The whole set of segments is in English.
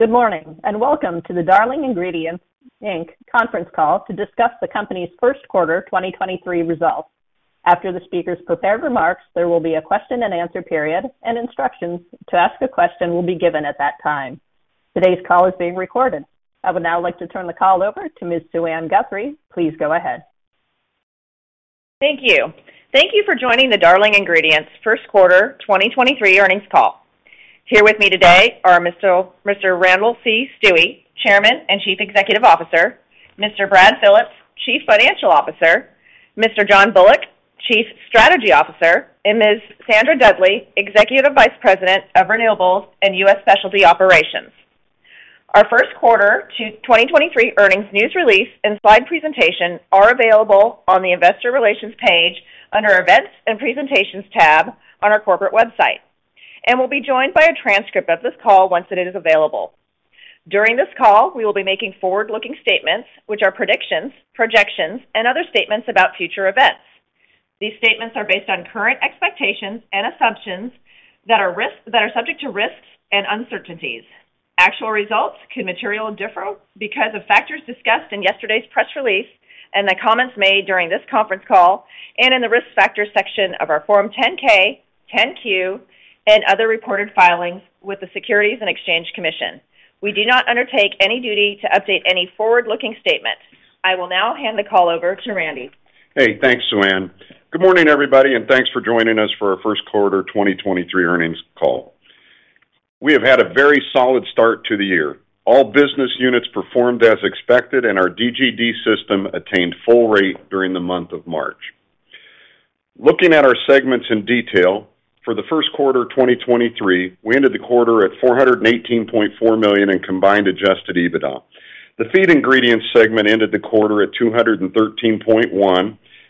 Good morning, welcome to the Darling Ingredients Inc conference call to discuss the company's first quarter 2023 results. After the speakers' prepared remarks, there will be a question-and-answer period, and instructions to ask a question will be given at that time. Today's call is being recorded. I would now like to turn the call over to Ms. Suann Guthrie. Please go ahead. Thank you. Thank you for joining the Darling Ingredients first quarter 2023 earnings call. Here with me today are Mr. Randall C. Stuewe, Chairman and Chief Executive Officer, Mr. Brad Phillips, Chief Financial Officer, Mr. John Bullock, Chief Strategy Officer, and Ms. Sandra Dudley, Executive Vice President of Renewables and U.S. Specialty Operations. Our first quarter 2023 earnings news release and slide presentation are available on the investor relations page under Events and Presentations tab on our corporate website and will be joined by a transcript of this call once it is available. During this call, we will be making forward-looking statements which are predictions, projections, and other statements about future events. These statements are based on current expectations and assumptions that are subject to risks and uncertainties. Actual results can materially differ because of factors discussed in yesterday's press release and the comments made during this conference call and in the Risk Factors section of our Form 10-K, 10-Q, and other reported filings with the Securities and Exchange Commission. We do not undertake any duty to update any forward-looking statements. I will now hand the call over to Randall. Hey, thanks, Suann. Good morning, everybody, and thanks for joining us for our first quarter 2023 earnings call. We have had a very solid start to the year. All business units performed as expected, and our DGD system attained full rate during the month of March. Looking at our segments in detail, for the first quarter of 2023, we ended the quarter at $418.4 million in combined adjusted EBITDA. The Feed Ingredients segment ended the quarter at $213.1.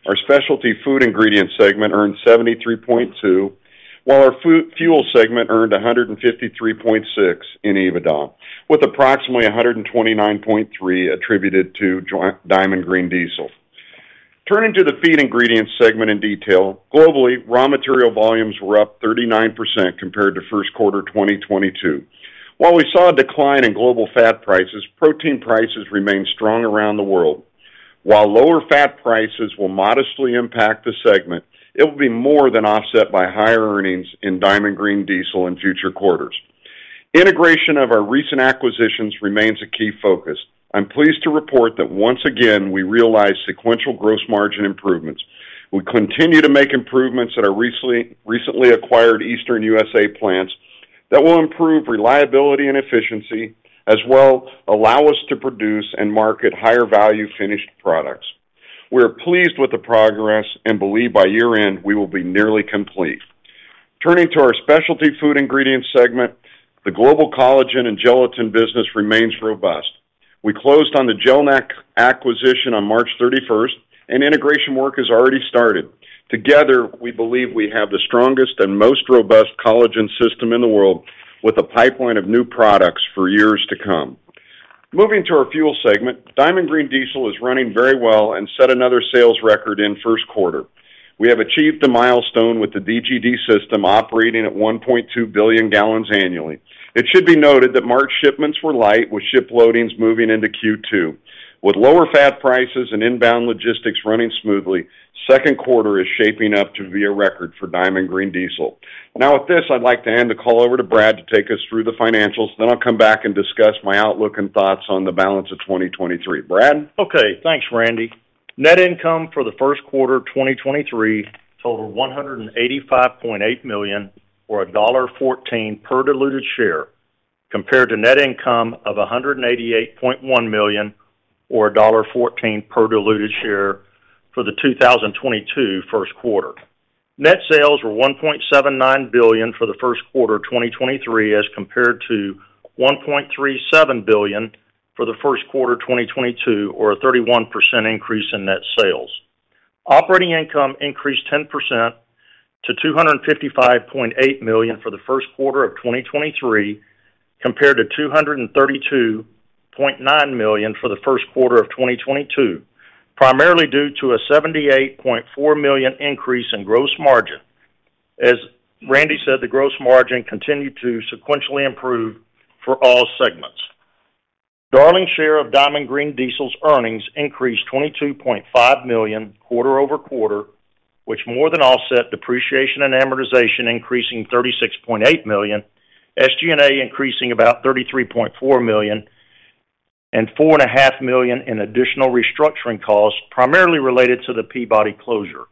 Our Specialty Food Ingredients segment earned $73.2, while our Fuel segment earned $153.6 in EBITDA, with approximately $129.3 attributed to Diamond Green Diesel. Turning to the Feed Ingredients segment in detail. Globally, raw material volumes were up 39% compared to first quarter 2022. While we saw a decline in global fat prices, protein prices remained strong around the world. While lower fat prices will modestly impact the segment, it will be more than offset by higher earnings in Diamond Green Diesel in future quarters. Integration of our recent acquisitions remains a key focus. I'm pleased to report that once again, we realized sequential gross margin improvements. We continue to make improvements at our recently acquired Eastern USA plants that will improve reliability and efficiency, as well allow us to produce and market higher value finished products. We are pleased with the progress and believe by year-end we will be nearly complete. Turning to our Specialty Food Ingredients segment, the global collagen and gelatin business remains robust. We closed on the Gelnex acquisition on March 31st and integration work has already started. Together, we believe we have the strongest and most robust collagen system in the world with a pipeline of new products for years to come. Moving to our Fuel segment, Diamond Green Diesel is running very well and set another sales record in first quarter. We have achieved a milestone with the DGD system operating at 1.2 billion gal annually. It should be noted that March shipments were light, with ship loadings moving into Q2. With lower fat prices and inbound logistics running smoothly, second quarter is shaping up to be a record for Diamond Green Diesel. With this, I'd like to hand the call over to Brad to take us through the financials. I'll come back and discuss my outlook and thoughts on the balance of 2023. Brad? Okay, thanks, Randall Net income for the first quarter of 2023 totaled $185.8 million, or $1.14 per diluted share, compared to net income of $188.1 million or $1.14 per diluted share for the 2022 first quarter. Net sales were $1.79 billion for the first quarter of 2023, as compared to $1.37 billion for the first quarter of 2022 or a 31% increase in net sales. Operating income increased 10% to $255.8 million for the first quarter of 2023, compared to $232.9 million for the first quarter of 2022, primarily due to a $78.4 million increase in gross margin. As Randall said, the gross margin continued to sequentially improve for all segments. Darling share of Diamond Green Diesel's earnings increased $22.5 million quarter-over-quarter, which more than offset depreciation and amortization, increasing $36.8 million, SG&A increasing about $33.4 million, and four and a half million in additional restructuring costs, primarily related to the Peabody closure.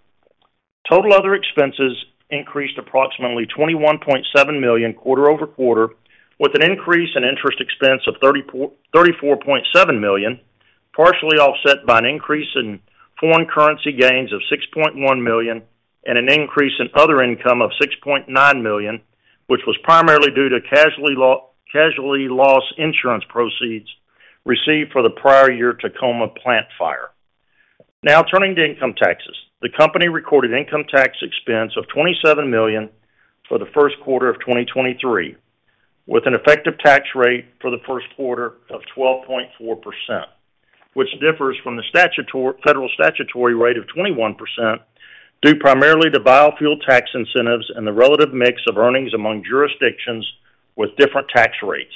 Total other expenses increased approximately $21.7 million quarter-over-quarter, with an increase in interest expense of $34.7 million, partially offset by an increase in foreign currency gains of $6.1 million and an increase in other income of $6.9 million, which was primarily due to casualty loss insurance proceeds received for the prior year Tacoma plant fire. Turning to income taxes. The company recorded income tax expense of $27 million for the first quarter of 2023, with an effective tax rate for the first quarter of 12.4%, which differs from the federal statutory rate of 21% due primarily to biofuel tax incentives and the relative mix of earnings among jurisdictions with different tax rates.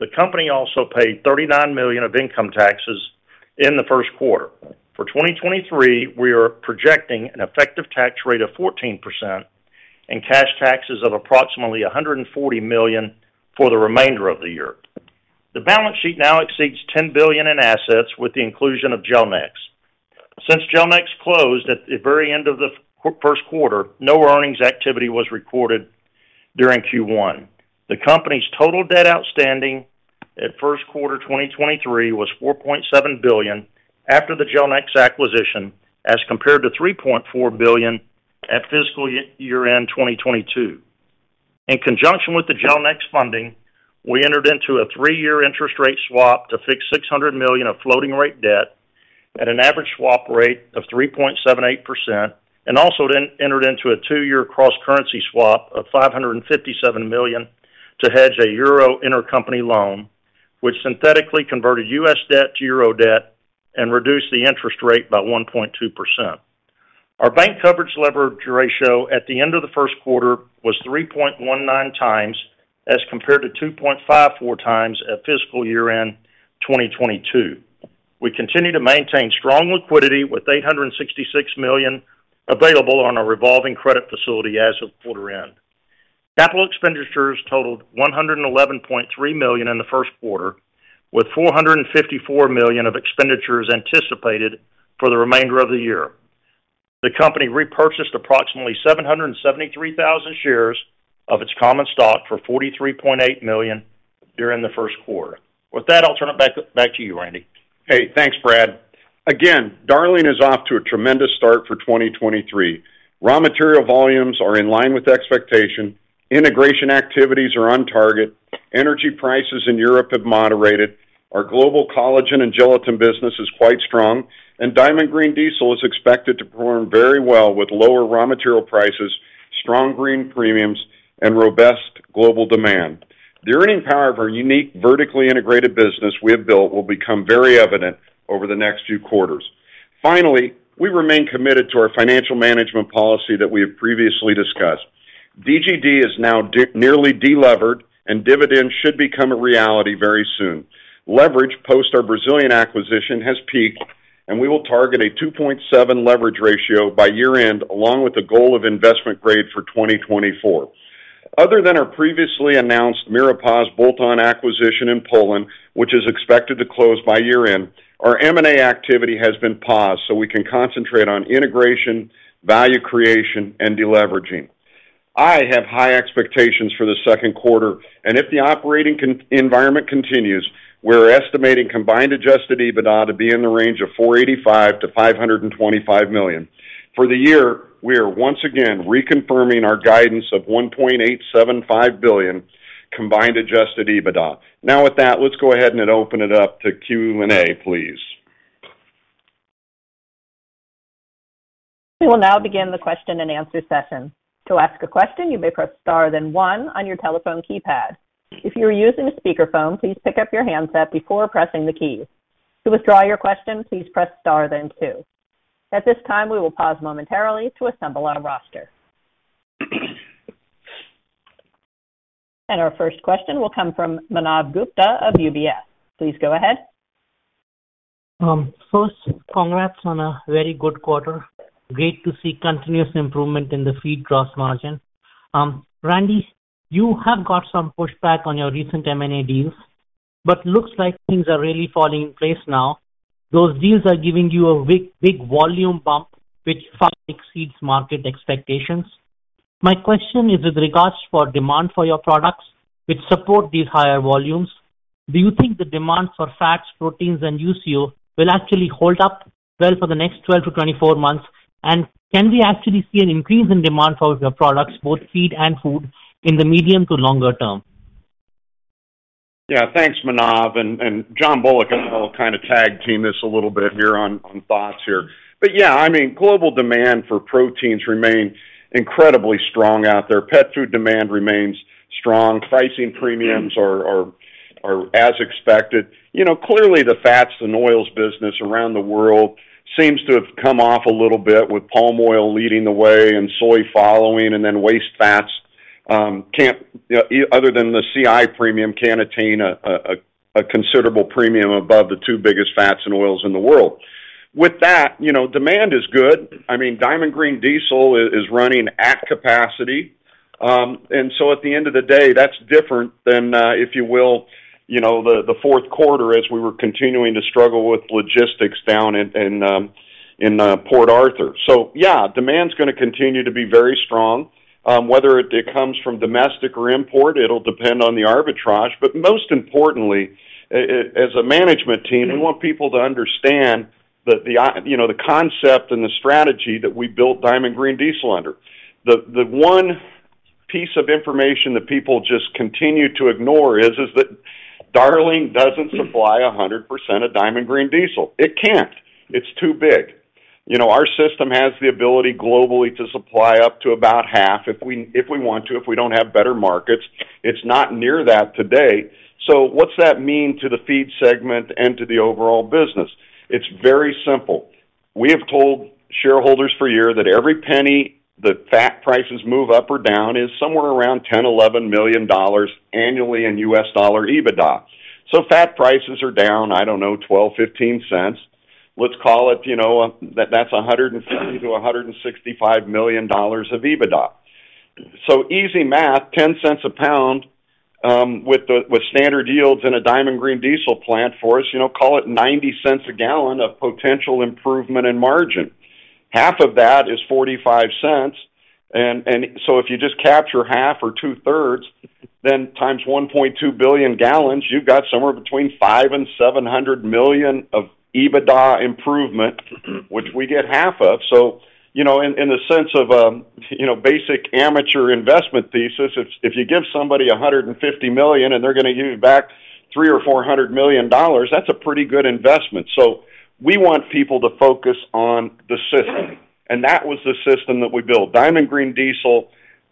The company also paid $39 million of income taxes in the first quarter. For 2023, we are projecting an effective tax rate of 14% and cash taxes of approximately $140 million for the remainder of the year. The balance sheet now exceeds $10 billion in assets with the inclusion of Gelnex. Since Gelnex closed at the very end of the first quarter, no earnings activity was recorded during Q1. The company's total debt outstanding at first quarter 2023 was $4.7 billion after the Gelnex acquisition, as compared to $3.4 billion at fiscal year-end 2022. In conjunction with the Gelnex funding, we entered into a three-year interest rate swap to fix $600 million of floating rate debt at an average swap rate of 3.78%, and also then entered into a two-year cross-currency swap of 557 million to hedge a euro intercompany loan, which synthetically converted U.S. debt to Euro debt and reduced the interest rate by 1.2%. Our bank coverage lever ratio at the end of the first quarter was 3.19 times as compared to 2.54 times at fiscal year-end 2022. We continue to maintain strong liquidity with $866 million available on our revolving credit facility as of quarter end. Capital expenditures totaled $111.3 million in the first quarter, with $454 million of expenditures anticipated for the remainder of the year. The company repurchased approximately 773,000 shares of its common stock for $43.8 million during the first quarter. With that, I'll turn it back to you, Randall. Hey, thanks, Brad. Darling is off to a tremendous start for 2023. Raw material volumes are in line with expectation. Integration activities are on target. Energy prices in Europe have moderated. Our global collagen and gelatin business is quite strong, and Diamond Green Diesel is expected to perform very well with lower raw material prices, strong green premiums, and robust global demand. The earning power of our unique vertically integrated business we have built will become very evident over the next few quarters. We remain committed to our financial management policy that we have previously discussed. DGD is now nearly delevered and dividends should become a reality very soon. Leverage post our Brazilian acquisition has peaked, and we will target a 2.7 leverage ratio by year-end, along with the goal of investment grade for 2024. Other than our previously announced Miropasz bolt-on acquisition in Poland, which is expected to close by year-end, our M&A activity has been paused so we can concentrate on integration, value creation and deleveraging. I have high expectations for the second quarter and if the operating environment continues, we're estimating combined adjusted EBITDA to be in the range of $485 million-$525 million. For the year, we are once again reconfirming our guidance of $1.875 billion combined adjusted EBITDA. With that, let's go ahead and open it up to Q&A, please. We will now begin the question-and-answer session. To ask a question, you may press star one on your telephone keypad. If you are using a speakerphone, please pick up your handset before pressing the key. To withdraw your question, please press star two. At this time, we will pause momentarily to assemble our roster. Our first question will come from Manav Gupta of UBS. Please go ahead. First, congrats on a very good quarter. Great to see continuous improvement in the Feed Ingredients gross margin. Randall, you have got some pushback on your recent M&A deals, looks like things are really falling in place now. Those deals are giving you a big volume bump which far exceeds market expectations. My question is with regards for demand for your products which support these higher volumes. Do you think the demand for fats, proteins and UCO will actually hold up well for the next 12-24 months? Can we actually see an increase in demand for your products, both feed and food, in the medium to longer term? Yeah. Thanks, Manav. John Bullock and I will kinda tag team this a little bit here on thoughts here. Yeah, I mean, global demand for proteins remain incredibly strong out there. Pet food demand remains strong. Pricing premiums are as expected. You know, clearly, the fats and oils business around the world seems to have come off a little bit with palm oil leading the way and soy following, and then waste fats, can't other than the CI premium, can't attain a considerable premium above the two biggest fats and oils in the world. With that, you know, demand is good. I mean Diamond Green Diesel is running at capacity. At the end of the day, that's different than, if you will, you know, the fourth quarter as we were continuing to struggle with logistics down in Port Arthur. Yeah, demand's gonna continue to be very strong. Whether it comes from domestic or import, it'll depend on the arbitrage. Most importantly, as a management team, we want people to understand that, you know, the concept and the strategy that we built Diamond Green Diesel under. One piece of information that people just continue to ignore is that Darling doesn't supply 100% of Diamond Green Diesel. It can't. It's too big. You know, our system has the ability globally to supply up to about half if we want to, if we don't have better markets. It's not near that today. What's that mean to the Feed segment and to the overall business? It's very simple. We have told shareholders for a year that every penny that fat prices move up or down is somewhere around $10 million-$11 million annually in US dollar EBITDA. Fat prices are down, I don't know, $0.12-$0.15. Let's call it, you know, that's $150 million-$165 million of EBITDA. Easy math, $0.10 a pound, with the, with standard yields in a Diamond Green Diesel plant for us, you know, call it $0.90 a gal of potential improvement in margin. Half of that is $0.45. If you just capture half or two-thirds, then times 1.2 billion gal, you've got somewhere between $500 million-$700 million of EBITDA improvement, which we get half of. You know, in the sense of, you know, basic amateur investment thesis, if you give somebody $150 million and they're gonna give you back $300 million or $400 million, that's a pretty good investment. We want people to focus on the system. That was the system that we built. Diamond Green Diesel,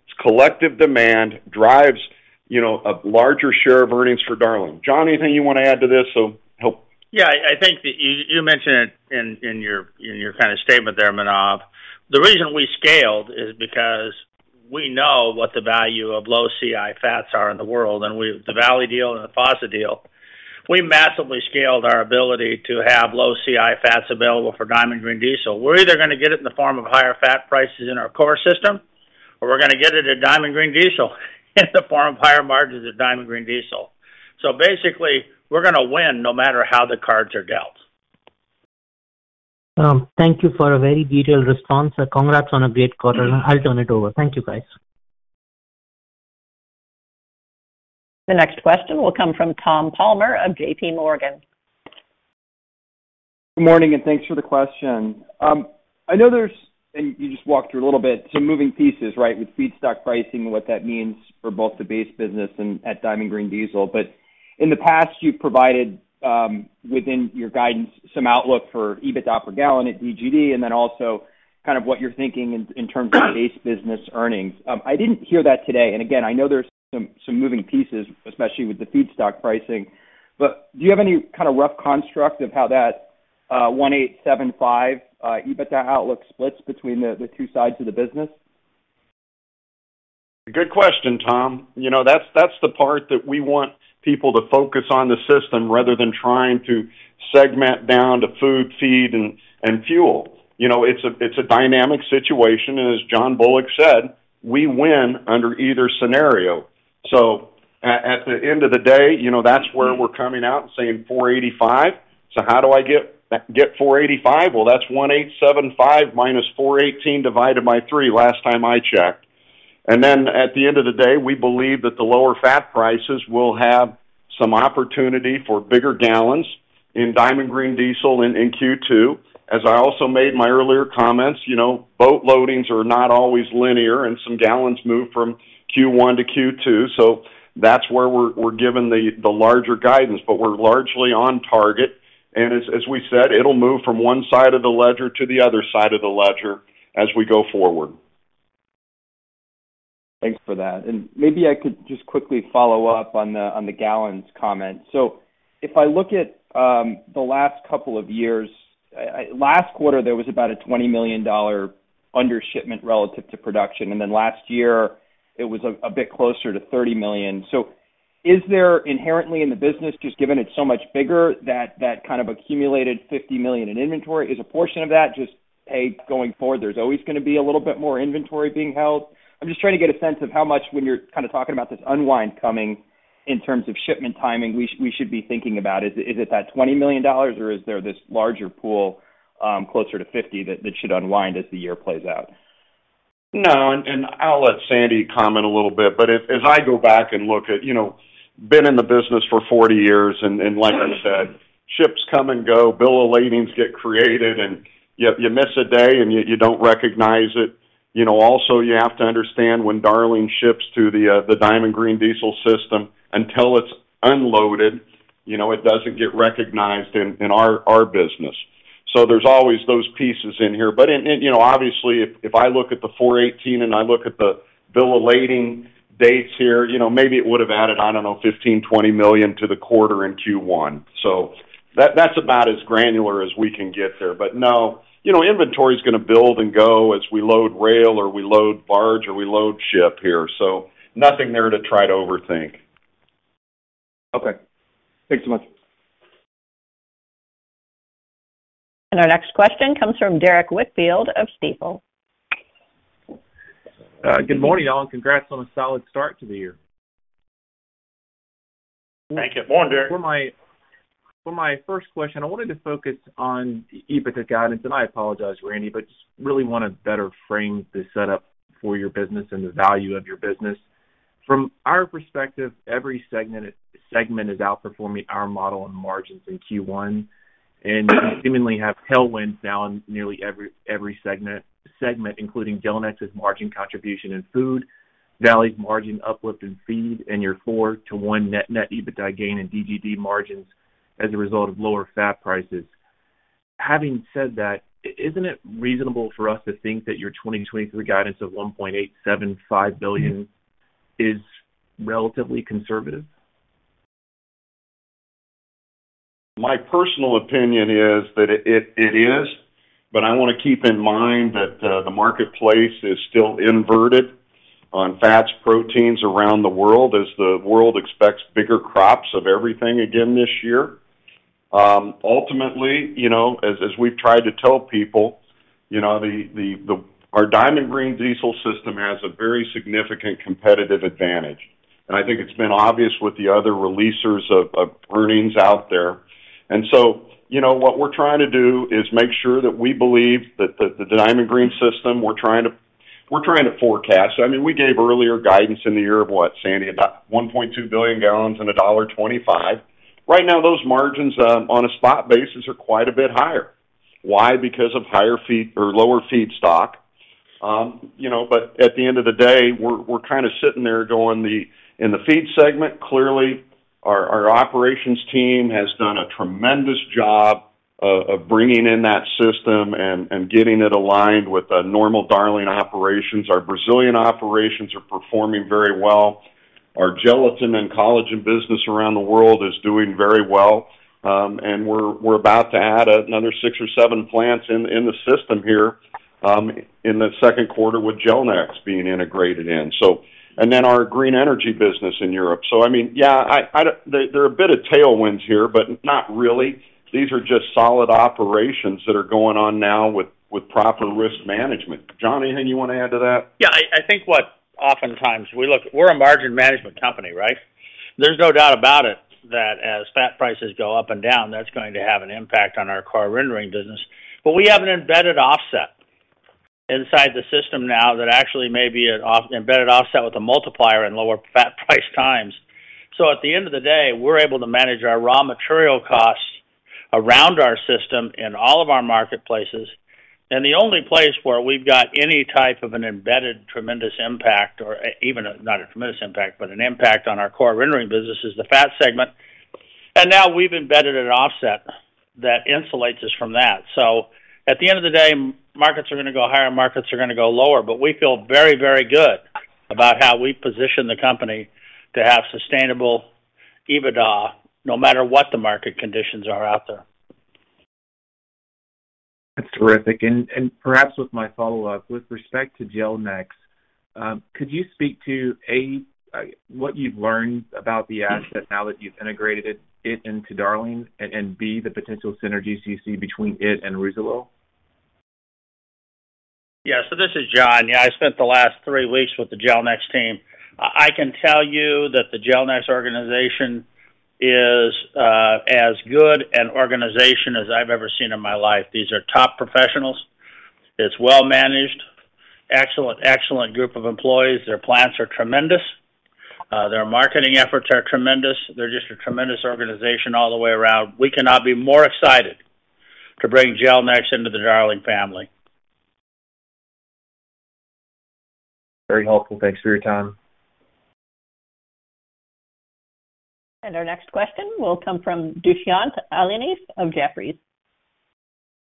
its collective demand drives, you know, a larger share of earnings for Darling. John, anything you wanna add to this? Yeah. I think that you mentioned it in your kind of statement there, Manav. The reason we scaled is because we know what the value of low CI fats are in the world. The Valley deal and the FASA deal. We massively scaled our ability to have low CI fats available for Diamond Green Diesel. We're either gonna get it in the form of higher fat prices in our core system, or we're gonna get it at Diamond Green Diesel in the form of higher margins at Diamond Green Diesel. Basically, we're gonna win no matter how the cards are dealt. Thank you for a very detailed response. Congrats on a great quarter. I'll turn it over. Thank you, guys. The next question will come from Tom Palmer of J.P. Morgan. Good morning. Thanks for the question. I know there's, and you just walked through a little bit, some moving pieces, right? With feedstock pricing and what that means for both the base business and at Diamond Green Diesel. In the past, you've provided within your guidance some outlook for EBITDA per gal at DGD and then also kind of what you're thinking in terms of base business earnings. I didn't hear that today. Again, I know there's some moving pieces, especially with the feedstock pricing. Do you have any kind of rough construct of how that $1,875 EBITDA outlook splits between the two sides of the business? Good question, Tom. You know, that's the part that we want people to focus on the system rather than trying to segment down to food, feed and fuel. You know, it's a dynamic situation, as John Bullock said, we win under either scenario. At the end of the day, you know, that's where we're coming out and saying 485. How do I get 485? Well, that's 1,875-418/3 last time I checked. At the end of the day, we believe that the lower fat prices will have some opportunity for bigger gals in Diamond Green Diesel in Q2. As I also made my earlier comments, you know, boat loadings are not always linear and some gals move from Q1 to Q2. That's where we're given the larger guidance. We're largely on target. As we said, it'll move from one side of the ledger to the other side of the ledger as we go forward. Thanks for that. Maybe I could just quickly follow up on the, on the gals comment. If I look at the last couple of years, last quarter, there was about a $20 million undershipment relative to production, and then last year it was a bit closer to $30 million. Is there inherently in the business, just given it's so much bigger, that that kind of accumulated $50 million in inventory? Is a portion of that just, A, going forward, there's always gonna be a little bit more inventory being held? I'm just trying to get a sense of how much, when you're kinda talking about this unwind coming in terms of shipment timing, we should be thinking about? Is it that $20 million, or is there this larger pool, closer to $50 million that should unwind as the year plays out? I'll let Sandra comment a little bit, but as I go back and look at, you know, been in the business for 40 years, and like I said, ships come and go, bill of ladings get created, and you miss a day, and you don't recognize it. Also you have to understand when Darling ships to the Diamond Green Diesel system, until it's unloaded, you know, it doesn't get recognized in our business. There's always those pieces in here. Obviously, if I look at the 418 and I look at the bill of lading dates here, you know, maybe it would have added, I don't know, $15 million-$20 million to the quarter in Q1. That's about as granular as we can get there. No, you know, inventory's gonna build and go as we load rail or we load barge or we load ship here. Nothing there to try to overthink. Okay. Thanks so much. Our next question comes from Derrick Whitfield of Stifel. Good morning, y'all, congrats on a solid start to the year. Thank you. Morning, Derrick. For my first question, I wanted to focus on the EBITDA guidance, and I apologize, Randall, but just really wanna better frame the setup for your business and the value of your business. From our perspective, every segment is outperforming our model and margins in Q1, and you seemingly have tailwinds now in nearly every segment, including Gelnex's margin contribution in food. Valley's margin uplift in feed and your 4 to 1 net-net EBITDA gain in DGD margins as a result of lower fat prices. Having said that, isn't it reasonable for us to think that your 2023 guidance of $1.875 billion is relatively conservative? My personal opinion is that it is. I wanna keep in mind that the marketplace is still inverted on fats proteins around the world as the world expects bigger crops of everything again this year. Ultimately, you know, as we've tried to tell people, you know, our Diamond Green Diesel system has a very significant competitive advantage. I think it's been obvious with the other releasers of earnings out there. You know, what we're trying to do is make sure that we believe that the Diamond Green system, we're trying to forecast. I mean, we gave earlier guidance in the year of what, Sandra? About 1.2 billion gals and $1.25. Right now, those margins on a spot basis are quite a bit higher. Why? Because of higher feed or lower feedstock. you know, at the end of the day, we're kinda sitting there going In the feed segment, clearly, our operations team has done a tremendous job of bringing in that system and getting it aligned with the normal Darling operations. Our Brazilian operations are performing very well. Our gelatin and collagen business around the world is doing very well. We're, we're about to add another six or seven plants in the system here, in the second quarter with Gelnex being integrated in. Then our green energy business in Europe. I mean, yeah, there are a bit of tailwinds here, but not really. These are just solid operations that are going on now with proper risk management. John, anything you wanna add to that? Yeah. I think what oftentimes we look. We're a margin management company, right? There's no doubt about it that as fat prices go up and down, that's going to have an impact on our core rendering business. We have an embedded offset inside the system now that actually may be an embedded offset with a multiplier and lower fat price times. At the end of the day, we're able to manage our raw material costs around our system in all of our marketplaces. The only place where we've got any type of an embedded tremendous impact or even, not a tremendous impact, but an impact on our core rendering business is the fat segment. Now we've embedded an offset that insulates us from that. At the end of the day, markets are gonna go higher, markets are gonna go lower. We feel very, very good about how we position the company to have sustainable EBITDA no matter what the market conditions are out there. That's terrific. Perhaps with my follow-up, with respect to Gelnex, could you speak to, A, what you've learned about the asset now that you've integrated it into Darling? And, B, the potential synergies you see between it and Rousselot? Yeah. This is John. Yeah, I spent the last three weeks with the Gelnex team. I can tell you that the Gelnex organization is as good an organization as I've ever seen in my life. These are top professionals. It's well-managed. Excellent, excellent group of employees. Their plants are tremendous. Their marketing efforts are tremendous. They're just a tremendous organization all the way around. We cannot be more excited to bring Gelnex into the Darling family. Very helpful. Thanks for your time. Our next question will come from Dushyant Ailani of Jefferies.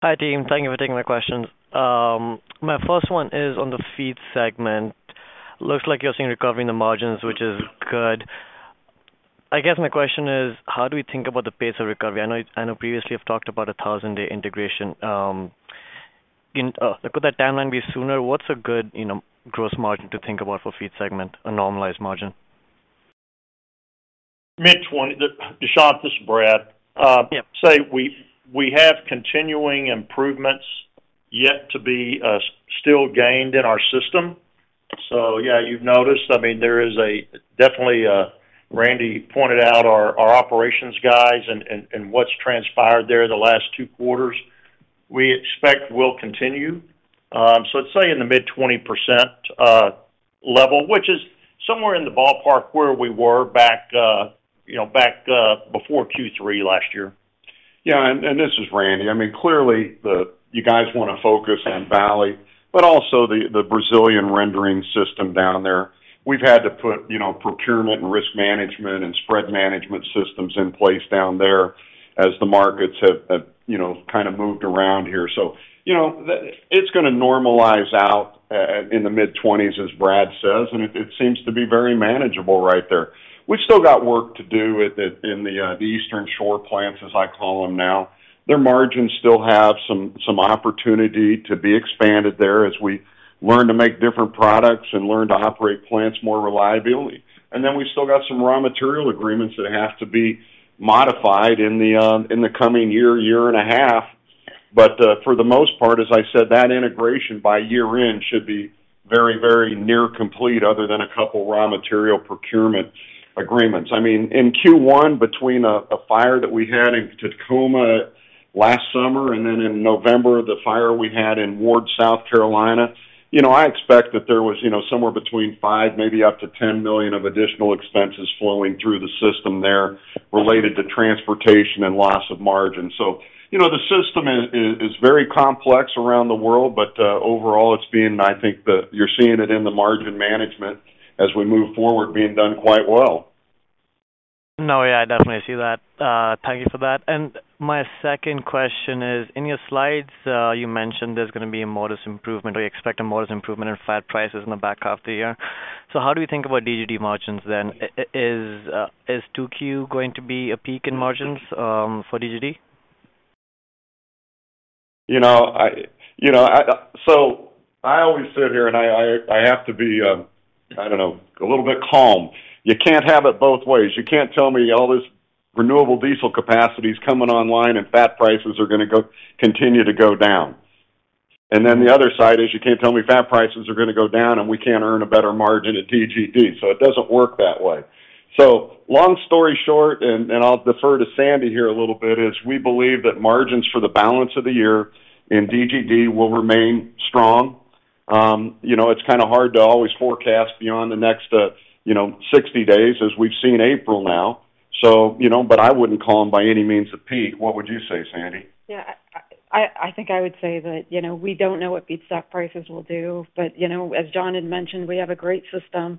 Hi, team. Thank you for taking my questions. My first one is on the feed segment. Looks like you're seeing recovery in the margins, which is good. I guess my question is, how do we think about the pace of recovery? I know previously you've talked about a 1,000-day integration. Could that timeline be sooner? What's a good, you know, gross margin to think about for feed segment, a normalized margin? Mid-20. Dushyant, this is Brad. Yeah. Say we have continuing improvements yet to be still gained in our system. Yeah, you've noticed. I mean, there is definitely Randall pointed out our operations guys and what's transpired there the last two quarters, we expect will continue. Let's say in the mid-20% level, which is somewhere in the ballpark where we were back, you know, back before Q3 last year. Yeah. This is Randall. I mean, clearly, you guys wanna focus on Valley, but also the Brazilian rendering system down there. We've had to put, you know, procurement and risk management and spread management systems in place down there as the markets have, you know, kind of moved around here. You know, it's gonna normalize out in the mid-twenties, as Brad says, and it seems to be very manageable right there. We've still got work to do with the Eastern shore plants, as I call them now. Their margins still have some opportunity to be expanded there as we learn to make different products and learn to operate plants more reliably. We've still got some raw material agreements that have to be modified in the coming year and a half. For the most part, as I said, that integration by year-end should be very, very near complete other than a couple raw material procurement agreements. I mean, in Q1, between a fire that we had in Tacoma last summer, and then in November, the fire we had in Ward, South Carolina, you know, I expect that there was, you know, somewhere between five, maybe up to $10 million of additional expenses flowing through the system there related to transportation and loss of margin. You know, the system is very complex around the world, overall, it's been, I think you're seeing it in the margin management as we move forward being done quite well. No, yeah, I definitely see that. Thank you for that. My second question is, in your slides, you mentioned there's gonna be a modest improvement or you expect a modest improvement in fat prices in the back half of the year. How do you think about DGD margins then? Is 2Q going to be a peak in margins for DGD? You know, I always sit here and I have to be, I don't know, a little bit calm. You can't have it both ways. You can't tell me all this renewable diesel capacity is coming online and fat prices are gonna continue to go down. The other side is you can't tell me fat prices are gonna go down, and we can't earn a better margin at DGD. It doesn't work that way. Long story short, I'll defer to Sandra here a little bit, is we believe that margins for the balance of the year in DGD will remain strong. You know, it's kind of hard to always forecast beyond the next, you know, 60 days as we've seen April now, but I wouldn't call them by any means a peak. What would you say, Sandra? Yeah. I think I would say that, you know, we don't know what feedstock prices will do. You know, as John had mentioned, we have a great system.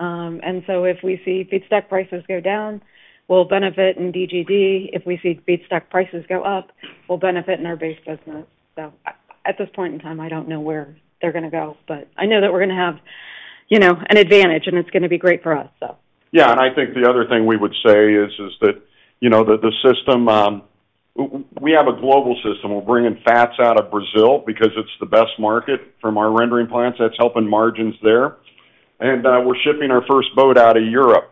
If we see feedstock prices go down, we'll benefit in DGD. If we see feedstock prices go up, we'll benefit in our base business. At this point in time, I don't know where they're gonna go, I know that we're gonna have, you know, an advantage, and it's gonna be great for us. Yeah. I think the other thing we would say is that, you know, the system, we have a global system. We're bringing fats out of Brazil because it's the best market from our rendering plants. That's helping margins there. We're shipping our first boat out of Europe,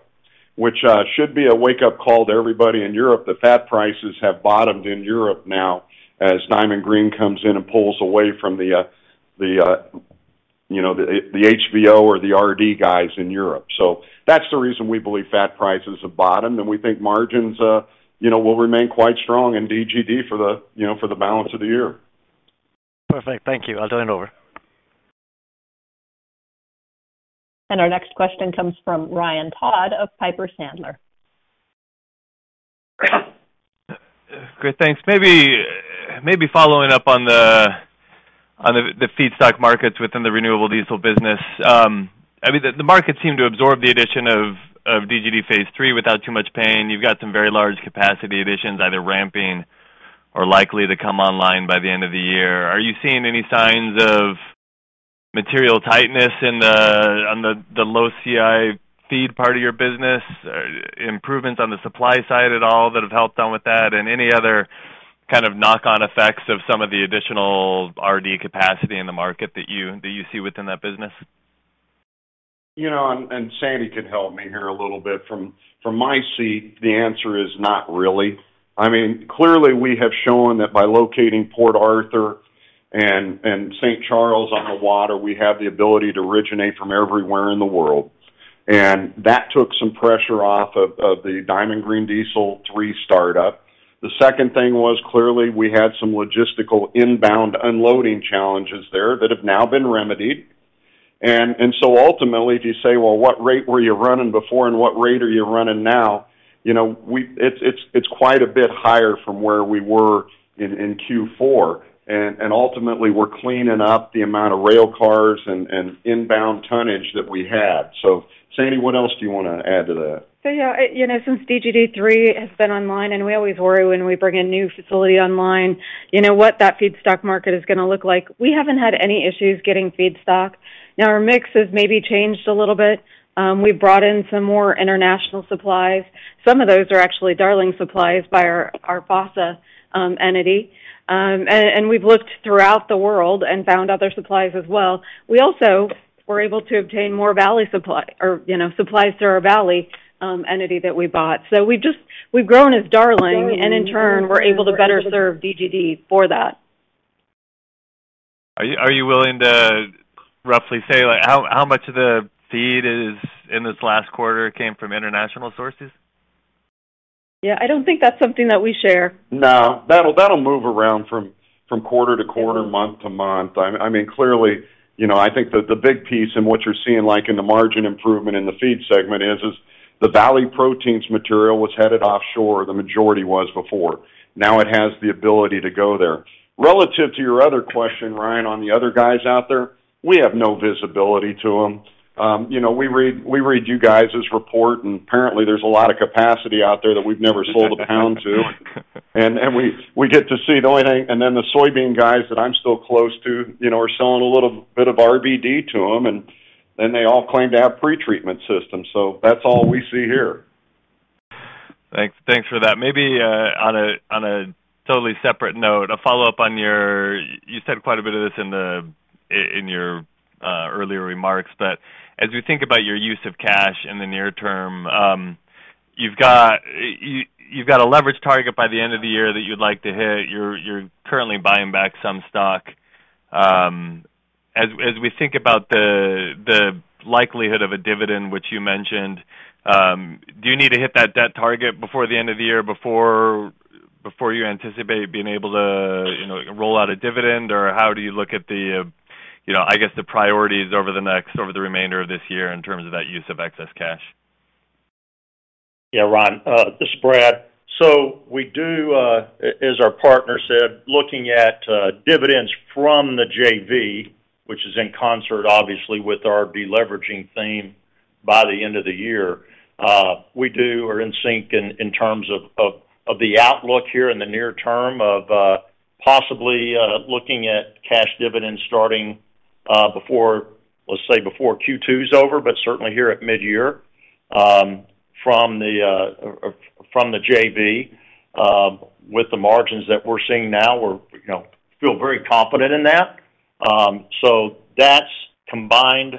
which should be a wake-up call to everybody in Europe. The fat prices have bottomed in Europe now as Diamond Green comes in and pulls away from the, you know, the HVO or the RD guys in Europe. That's the reason we believe fat prices have bottomed, and we think margins, you know, will remain quite strong in DGD for the, you know, for the balance of the year. Perfect. Thank you. I'll turn it over. Our next question comes from Ryan Todd of Piper Sandler. Great. Thanks. Maybe following up on the feedstock markets within the renewable diesel business. I mean, the markets seem to absorb the addition of DGD 3 without too much pain. You've got some very large capacity additions either ramping or likely to come online by the end of the year. Are you seeing any signs of material tightness on the low CI feed part of your business? Improvements on the supply side at all that have helped out with that, and any other kind of knock-on effects of some of the additional RD capacity in the market that you see within that business? You know, Sandra can help me here a little bit. From my seat, the answer is not really. I mean, clearly, we have shown that by locating Port Arthur and St. Charles on the water, we have the ability to originate from everywhere in the world. That took some pressure off of the Diamond Green Diesel Three startup. The second thing was clearly we had some logistical inbound unloading challenges there that have now been remedied. Ultimately, if you say, "Well, what rate were you running before and what rate are you running now?" You know, it's quite a bit higher from where we were in Q4. Ultimately, we're cleaning up the amount of rail cars and inbound tonnage that we had. Sandra, what else do you wanna add to that? Yeah. You know, since DGD 3 has been online, we always worry when we bring a new facility online, you know, what that feedstock market is gonna look like. We haven't had any issues getting feedstock. Our mix has maybe changed a little bit. We've brought in some more international supplies. Some of those are actually Darling supplies by our FASA entity. We've looked throughout the world and found other suppliers as well. We also were able to obtain more Valley supply or, you know, supplies through our Valley entity that we bought. We've grown as Darling, in turn, we're able to better serve DGD for that. Are you willing to roughly say, like, how much of the feed is in this last quarter came from international sources? Yeah, I don't think that's something that we share. No. That'll move around from quarter to quarter, month to month. I mean, clearly, you know, I think that the big piece in what you're seeing, like in the margin improvement in the Feed segment is the Valley Proteins material was headed offshore. The majority was before. Now it has the ability to go there. Relative to your other question, Ryan, on the other guys out there, we have no visibility to them. You know, we read you guys' report. Apparently there's a lot of capacity out there that we've never sold a pound to. We get to see the only thing, and then the soybean guys that I'm still close to, you know, are selling a little bit of RBD to them. They all claim to have pretreatment systems. That's all we see here. Thanks. Thanks for that. Maybe, on a, on a totally separate note, a follow-up on your... You said quite a bit of this in your earlier remarks, but as we think about your use of cash in the near term, you've got a leverage target by the end of the year that you'd like to hit. You're currently buying back some stock. As we think about the likelihood of a dividend, which you mentioned, do you need to hit that debt target before the end of the year, before you anticipate being able to, you know, roll out a dividend? How do you look at the, you know, I guess the priorities over the remainder of this year in terms of that use of excess cash? Yeah, Ryan, the spread. We do, as our partner said, looking at dividends from the JV, which is in concert, obviously, with our de-leveraging theme by the end of the year. We do or in sync in terms of the outlook here in the near term of possibly looking at cash dividends starting before, let's say before Q2 is over, but certainly here at mid-year, from the JV, with the margins that we're seeing now, we're, you know, feel very confident in that. That's combined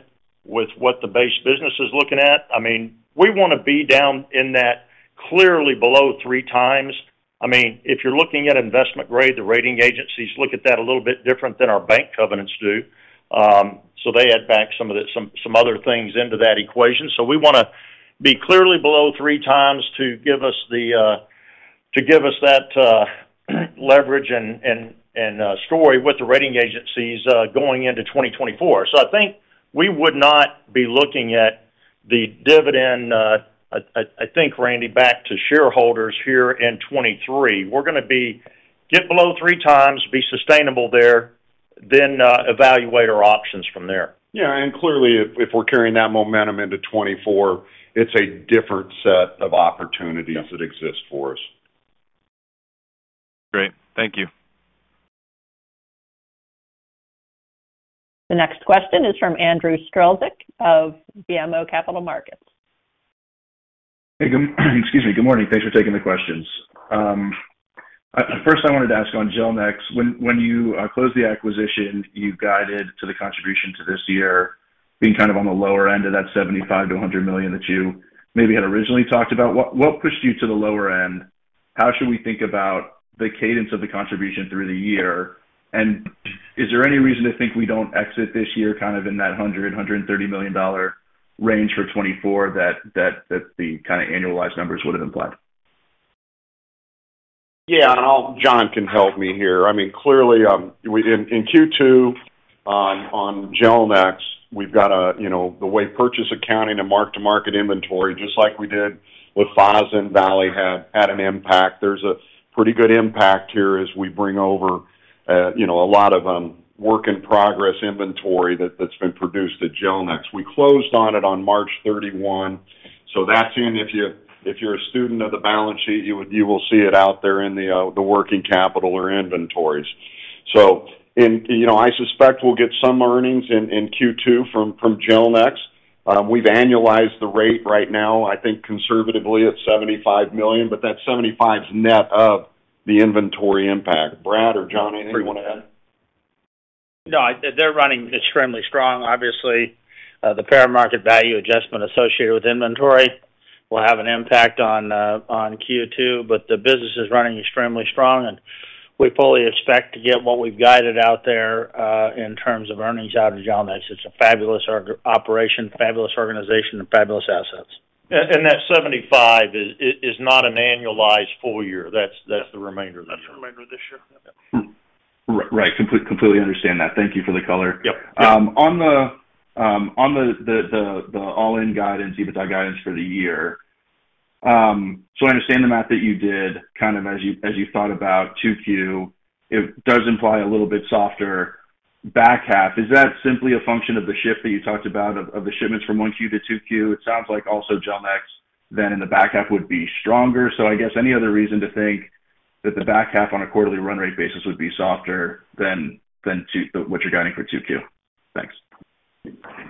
with what the base business is looking at. I mean, we wanna be down in that clearly below 3x. I mean, if you're looking at investment grade, the rating agencies look at that a little bit different than our bank covenants do. They add back some other things into that equation. We wanna be clearly below 3x to give us that leverage and story with the rating agencies going into 2024. I think we would not be looking at the dividend, I think, Randall, back to shareholders here in 2023. We're gonna be get below 3x, be sustainable there, then evaluate our options from there. Yeah. Clearly, if we're carrying that momentum into 2024, it's a different set of opportunities that exist for us. Great. Thank you. The next question is from Andrew Strelzik of BMO Capital Markets. Excuse me. Good morning. Thanks for taking the questions. First I wanted to ask on Gelnex. When you closed the acquisition, you guided to the contribution to this year being kind of on the lower end of that $75 million-$100 million that you maybe had originally talked about. What pushed you to the lower end? How should we think about the cadence of the contribution through the year? Is there any reason to think we don't exit this year kind of in that $100 million-$130 million range for 2024 that the kinda annualized numbers would have implied? Yeah. John can help me here. I mean, clearly, in Q2 on Gelnex, we've got a, you know, the way purchase accounting and mark-to-market inventory, just like we did with FASA and Valley had an impact. There's a pretty good impact here as we bring over, you know, a lot of work in progress inventory that's been produced at Gelnex. We closed on it on March 31, so that's in if you're a student of the balance sheet, you will see it out there in the working capital or inventories. I suspect we'll get some earnings in Q2 from Gelnex. We've annualized the rate right now, I think conservatively at $75 million, but that $75's net of the inventory impact. Brad or John, anything you wanna add? No, they're running extremely strong. Obviously, the fair market value adjustment associated with inventory will have an impact on Q2. The business is running extremely strong. We fully expect to get what we've guided out there in terms of earnings out of Gelnex. It's a fabulous operation, fabulous organization, and fabulous assets. That 75 is not an annualized full year. That's the remainder of the year. That's the remainder of this year. Yep. Right. Completely understand that. Thank you for the color. Yep. On the all-in guidance, EBITDA guidance for the year, I understand the math that you did kind of as you thought about 2Q, it does imply a little bit softer back half. Is that simply a function of the shift that you talked about of the shipments from 1Q to 2Q? It sounds like also Gelnex then in the back half would be stronger. I guess any other reason to think that the back half on a quarterly run rate basis would be softer than what you're guiding for 2Q? Thanks.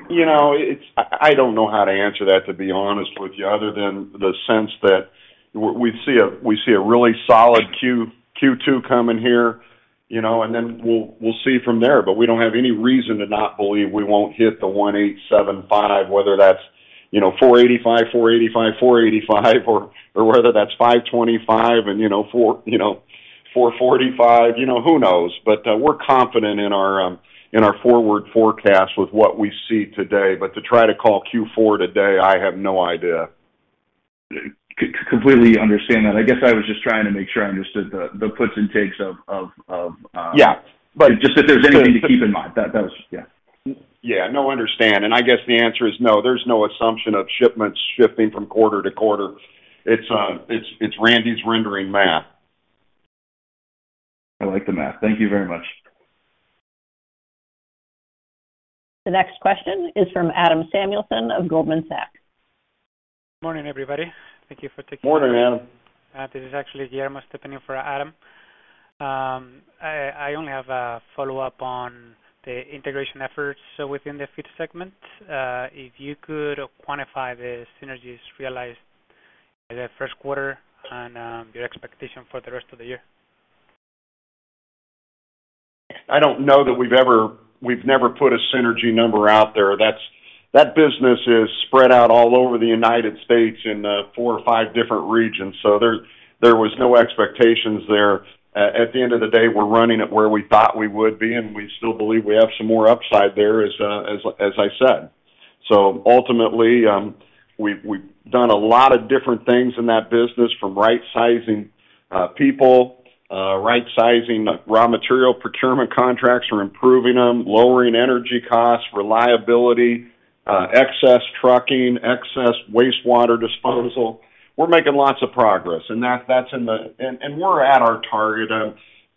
You know, I don't know how to answer that, to be honest with you, other than the sense that we see a really solid Q2 coming here, you know, and then we'll see from there. But we don't have any reason to not believe we won't hit the 1,875, whether that's, you know, 485, 485, or whether that's 525 and, you know, 445. You know, who knows? But we're confident in our forward forecast with what we see today. But to try to call Q4 today, I have no idea. Completely understand that. I guess I was just trying to make sure I understood the puts and takes of, Yeah. Just if there's anything to keep in mind. That, that was... Yeah. Yeah. No, understand. I guess the answer is no. There's no assumption of shipments shifting from quarter to quarter. It's Randall's rendering math. I like the math. Thank you very much. The next question is from Adam Samuelson of Goldman Sachs. Morning, everybody. Thank you for. Morning, Adam. This is actually Guillermo stepping in for Adam. I only have a follow-up on the integration efforts within the Fuel segment. If you could quantify the synergies realized in the first quarter and your expectation for the rest of the year. I don't know that we've never put a synergy number out there. That business is spread out all over the United States in four or five different regions. There was no expectations there. At the end of the day, we're running it where we thought we would be, and we still believe we have some more upside there as I said. Ultimately, we've done a lot of different things in that business from right-sizing people, right-sizing raw material procurement contracts or improving them, lowering energy costs, reliability, excess trucking, excess wastewater disposal. We're making lots of progress. We're at our target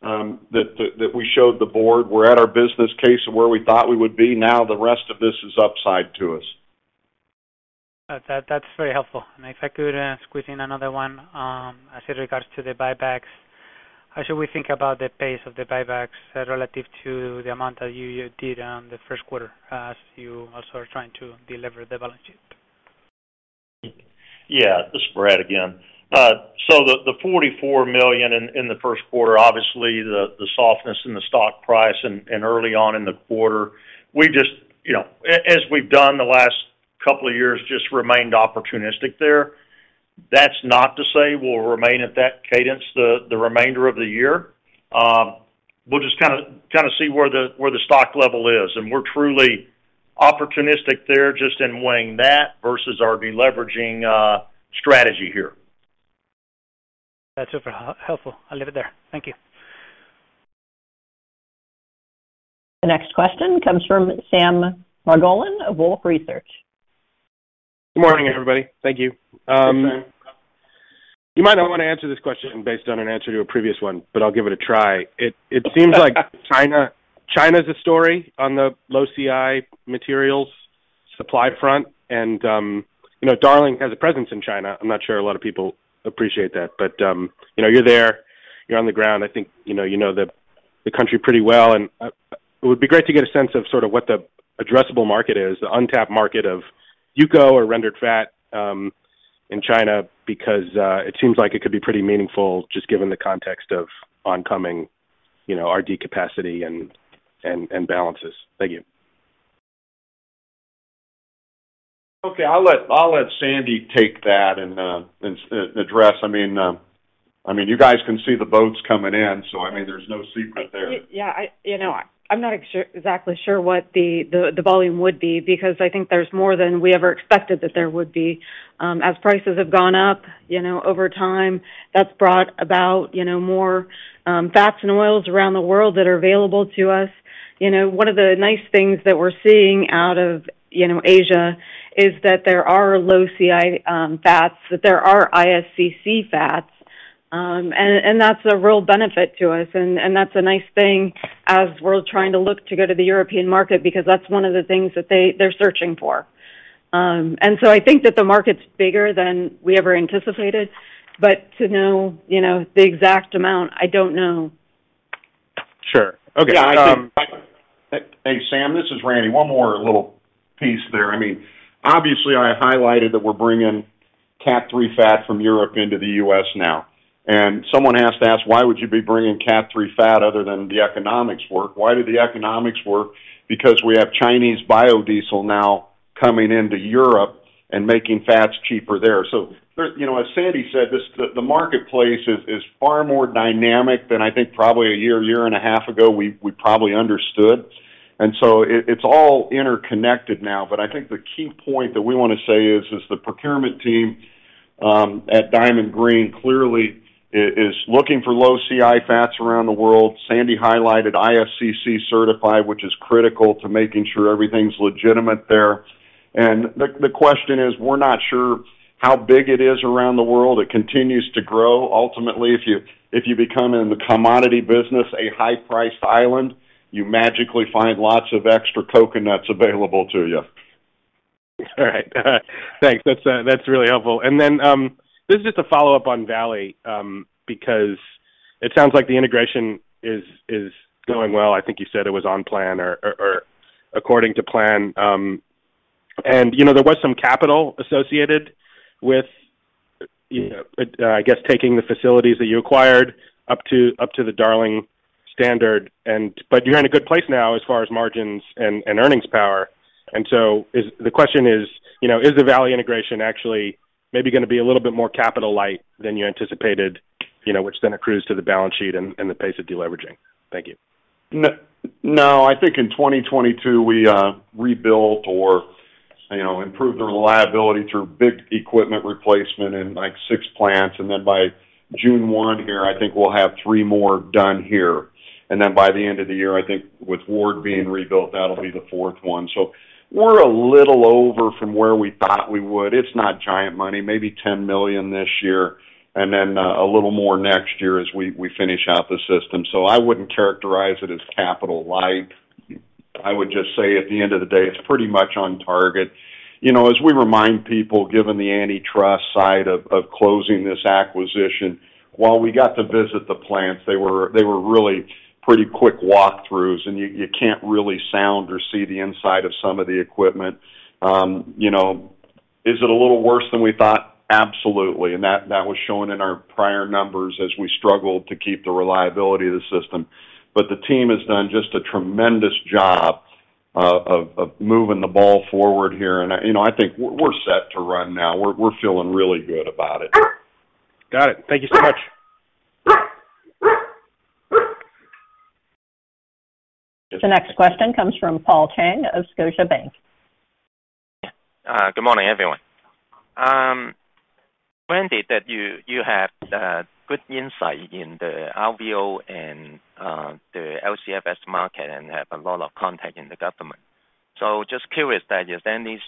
that we showed the board. We're at our business case of where we thought we would be. The rest of this is upside to us. That's very helpful. If I could squeeze in another one, as it regards to the buybacks, how should we think about the pace of the buybacks relative to the amount that you did on the first quarter as you also are trying to delever the balance sheet? Yeah. This is Brad again. The $44 million in the first quarter, obviously the softness in the stock price and early on in the quarter, we just, you know, as we've done the last couple of years, just remained opportunistic there. That's not to say we'll remain at that cadence the remainder of the year. We'll just kinda see where the stock level is. We're truly opportunistic there just in weighing that versus our deleveraging strategy here. That's super helpful. I'll leave it there. Thank you. The next question comes from Sam Margolin of Wolfe Research. Good morning, everybody. Thank you. Hey, Sam. You might not want to answer this question based on an answer to a previous one, but I'll give it a try. It seems like China's a story on the low CI materials supply front. You know, Darling has a presence in China. I'm not sure a lot of people appreciate that. You know, you're there, you're on the ground. I think, you know, you know the country pretty well. It would be great to get a sense of sort of what the addressable market is, the untapped market of UCO or rendered fat in China, because it seems like it could be pretty meaningful just given the context of oncoming, you know, RD capacity and balances. Thank you. Okay. I'll let Sandra take that and address. I mean, you guys can see the boats coming in, so I mean, there's no secret there. Yeah, you know, I'm not exactly sure what the volume would be because I think there's more than we ever expected that there would be. As prices have gone up, you know, over time, that's brought about, you know, more fats and oils around the world that are available to us. You know, one of the nice things that we're seeing out of, you know, Asia is that there are low CI fats, that there are ISCC fats. That's a real benefit to us. That's a nice thing as we're trying to look to go to the European market because that's one of the things that they're searching for. I think that the market's bigger than we ever anticipated, but to know, you know, the exact amount, I don't know. Sure. Okay. Hey, Sam, this is Randall. One more little piece there. I mean, obviously I highlighted that we're bringing Category 3 fat from Europe into the U.S. now. Someone has to ask, why would you be bringing Category 3 fat other than the economics work? Why do the economics work? We have Chinese biodiesel now coming into Europe and making fats cheaper there. you know, as Sandra said, the marketplace is far more dynamic than I think probably a year and a half ago, we probably understood. It's all interconnected now. I think the key point that we wanna say is the procurement team at Diamond Green clearly is looking for low CI fats around the world. Sandra highlighted ISCC certified, which is critical to making sure everything's legitimate there. The question is, we're not sure how big it is around the world. It continues to grow. Ultimately, if you become in the commodity business a high priced island, you magically find lots of extra coconuts available to you. All right. Thanks. That's really helpful. This is just a follow-up on Valley because it sounds like the integration is going well. I think you said it was on plan or according to plan. You know, there was some capital associated with, you know, I guess taking the facilities that you acquired up to the Darling standard. You're in a good place now as far as margins and earnings power. The question is, you know, is the Valley integration actually maybe gonna be a little bit more capital light than you anticipated, you know, which then accrues to the balance sheet and the pace of deleveraging? Thank you. No. No, I think in 2022, we rebuilt or, you know, improved the reliability through big equipment replacement in, like, six plants. By June 1 here, I think we'll have three more done here. By the end of the year, I think with Ward being rebuilt, that'll be the fourth one. We're a little over from where we thought we would. It's not giant money, maybe $10 million this year, and then a little more next year as we finish out the system. I wouldn't characterize it as capital light. I would just say at the end of the day, it's pretty much on target. You know, as we remind people, given the antitrust side of closing this acquisition, while we got to visit the plants, they were really pretty quick walkthroughs, and you can't really sound or see the inside of some of the equipment. You know, is it a little worse than we thought? Absolutely. That was shown in our prior numbers as we struggled to keep the reliability of the system. The team has done just a tremendous job of moving the ball forward here. You know, I think we're set to run now. We're feeling really good about it. Got it. Thank you so much. The next question comes from Paul Cheng of Scotiabank. Good morning, everyone. Granted that you have good insight in the RVO and the LCFS market and have a lot of contact in the government. Just curious that is there any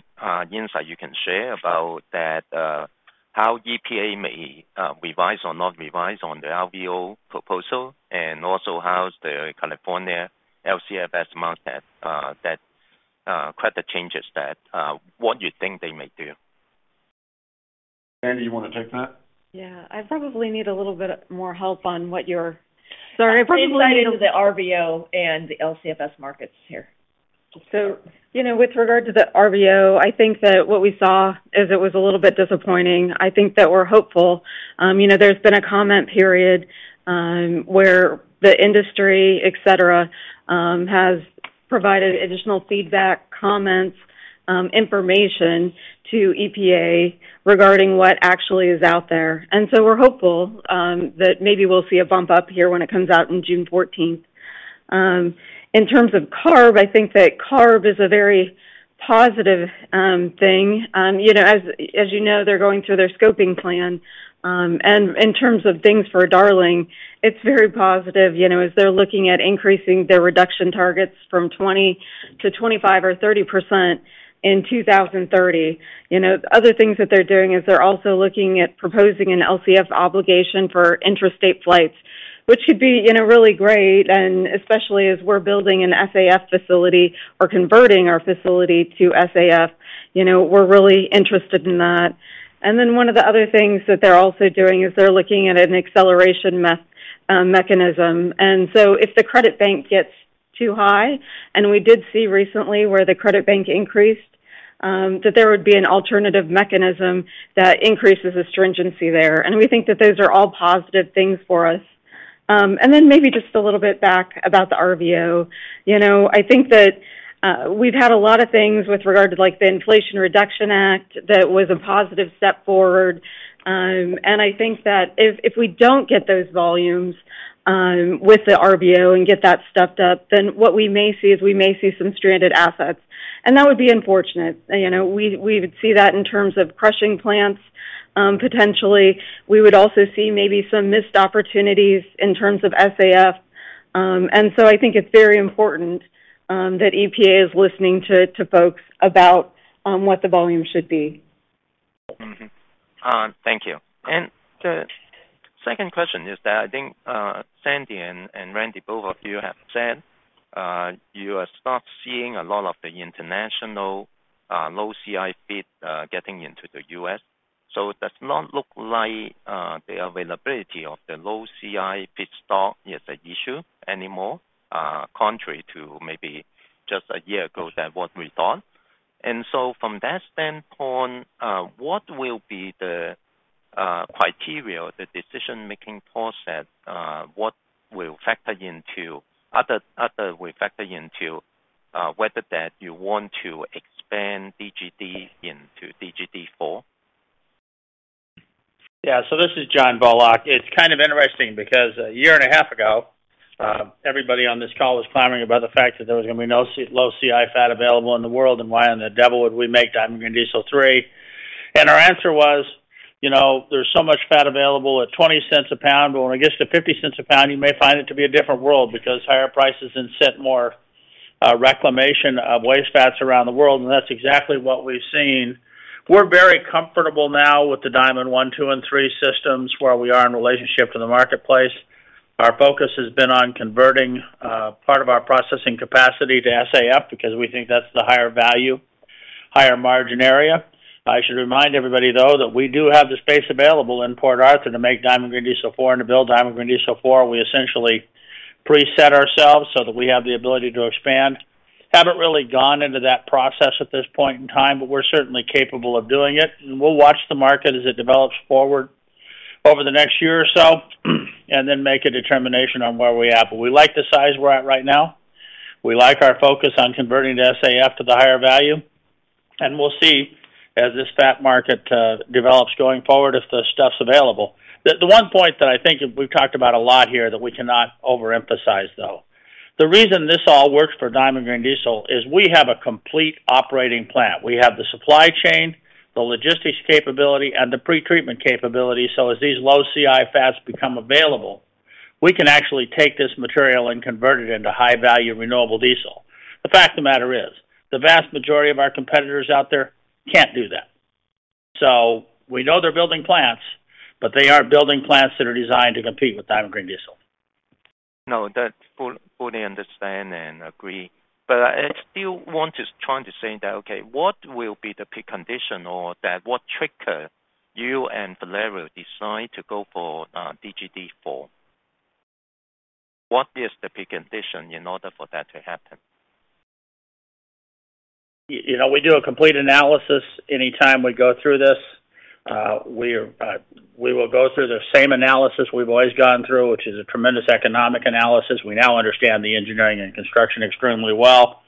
insight you can share about that, how EPA may revise or not revise on the RVO proposal, and also how's the California LCFS market that, credit changes that, what you think they may do? Sandra, you wanna take that? Yeah. I probably need a little bit more help on what. Sorry. Insight into the RVO and the LCFS markets here. You know, with regard to the RVO, I think that what we saw is it was a little bit disappointing. I think that we're hopeful. You know, there's been a comment period, where the industry, et cetera, has provided additional feedback, comments, information to EPA regarding what actually is out there. We're hopeful, that maybe we'll see a bump up here when it comes out in June 14th. In terms of CARB, I think that CARB is a very positive thing. You know, as you know, they're going through their scoping plan. In terms of things for Darling, it's very positive. You know, as they're looking at increasing their reduction targets from 20% to 25% or 30% in 2030. You know, other things that they're doing is they're also looking at proposing an LCF obligation for interstate flights, which should be, you know, really great, especially as we're building an SAF facility or converting our facility to SAF. You know, we're really interested in that. One of the other things that they're also doing is they're looking at an acceleration mechanism. If the credit bank gets too high, we did see recently where the credit bank increased, that there would be an alternative mechanism that increases the stringency there. We think that those are all positive things for us. Maybe just a little bit back about the RVO. You know, I think that we've had a lot of things with regard to, like, the Inflation Reduction Act that was a positive step forward. I think that if we don't get those volumes, with the RVO and get that stuffed up, then what we may see is we may see some stranded assets. That would be unfortunate. You know, we would see that in terms of crushing plants, potentially. We would also see maybe some missed opportunities in terms of SAF. I think it's very important, that EPA is listening to folks about, what the volume should be. Thank you. The second question is that I think, Sandra and Randall, both of you have said, you have stopped seeing a lot of the international, low CI feed, getting into the U.S. It does not look like, the availability of the low CI feedstock is a issue anymore, contrary to maybe just a year ago that what we thought. From that standpoint, what will be the criteria, the decision-making process, what will factor into... Other will factor into, whether that you want to expand DGD into DGD 4? This is John Bullock. It's kind of interesting because a year and a half ago, everybody on this call was clamoring about the fact that there was gonna be no low CI fat available in the world, and why on the devil would we make Diamond Green Diesel 3. Our answer was, you know, there's so much fat available at $0.20 a pound. When it gets to $0.50 a pound, you may find it to be a different world because higher prices incent more reclamation of waste fats around the world, and that's exactly what we've seen. We're very comfortable now with the Diamond 1, 2, and 3 systems where we are in relationship to the marketplace. Our focus has been on converting part of our processing capacity to SAF because we think that's the higher value, higher margin area. I should remind everybody, though, that we do have the space available in Port Arthur to make Diamond Green Diesel 4 and to build Diamond Green Diesel 4. We essentially preset ourselves so that we have the ability to expand. Haven't really gone into that process at this point in time, but we're certainly capable of doing it. We'll watch the market as it develops forward over the next year or so, and then make a determination on where we are. We like the size we're at right now. We like our focus on converting the SAF to the higher value. We'll see as this fat market develops going forward, if the stuff's available. The one point that I think we've talked about a lot here that we cannot overemphasize, though. The reason this all works for Diamond Green Diesel is we have a complete operating plant. We have the supply chain, the logistics capability, and the pretreatment capability, so as these low CI fats become available, we can actually take this material and convert it into high-value renewable diesel. The fact of the matter is, the vast majority of our competitors out there can't do that. We know they're building plants, but they are building plants that are designed to compete with Diamond Green Diesel. No. That's fully understand and agree. I still want to try to say that, okay, what will be the peak condition or that what trigger you and Valero decide to go for DGD 4? What is the peak condition in order for that to happen? You know, we do a complete analysis anytime we go through this. We will go through the same analysis we've always gone through, which is a tremendous economic analysis. We now understand the engineering and construction extremely well.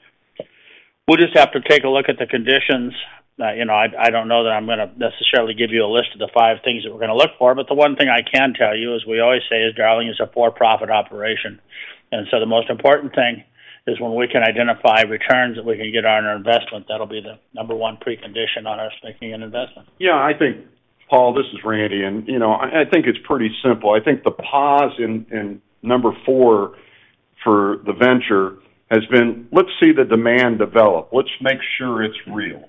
We'll just have to take a look at the conditions. You know, I don't know that I'm gonna necessarily give you a list of the five things that we're gonna look for, but the one thing I can tell you is we always say is Darling is a for-profit operation The most important thing is when we can identify returns that we can get on our investment, that'll be the number one precondition on us making an investment. Yeah, I think, Paul, this is Randall, you know, I think it's pretty simple. I think the pause in number four for the venture has been, let's see the demand develop. Let's make sure it's real.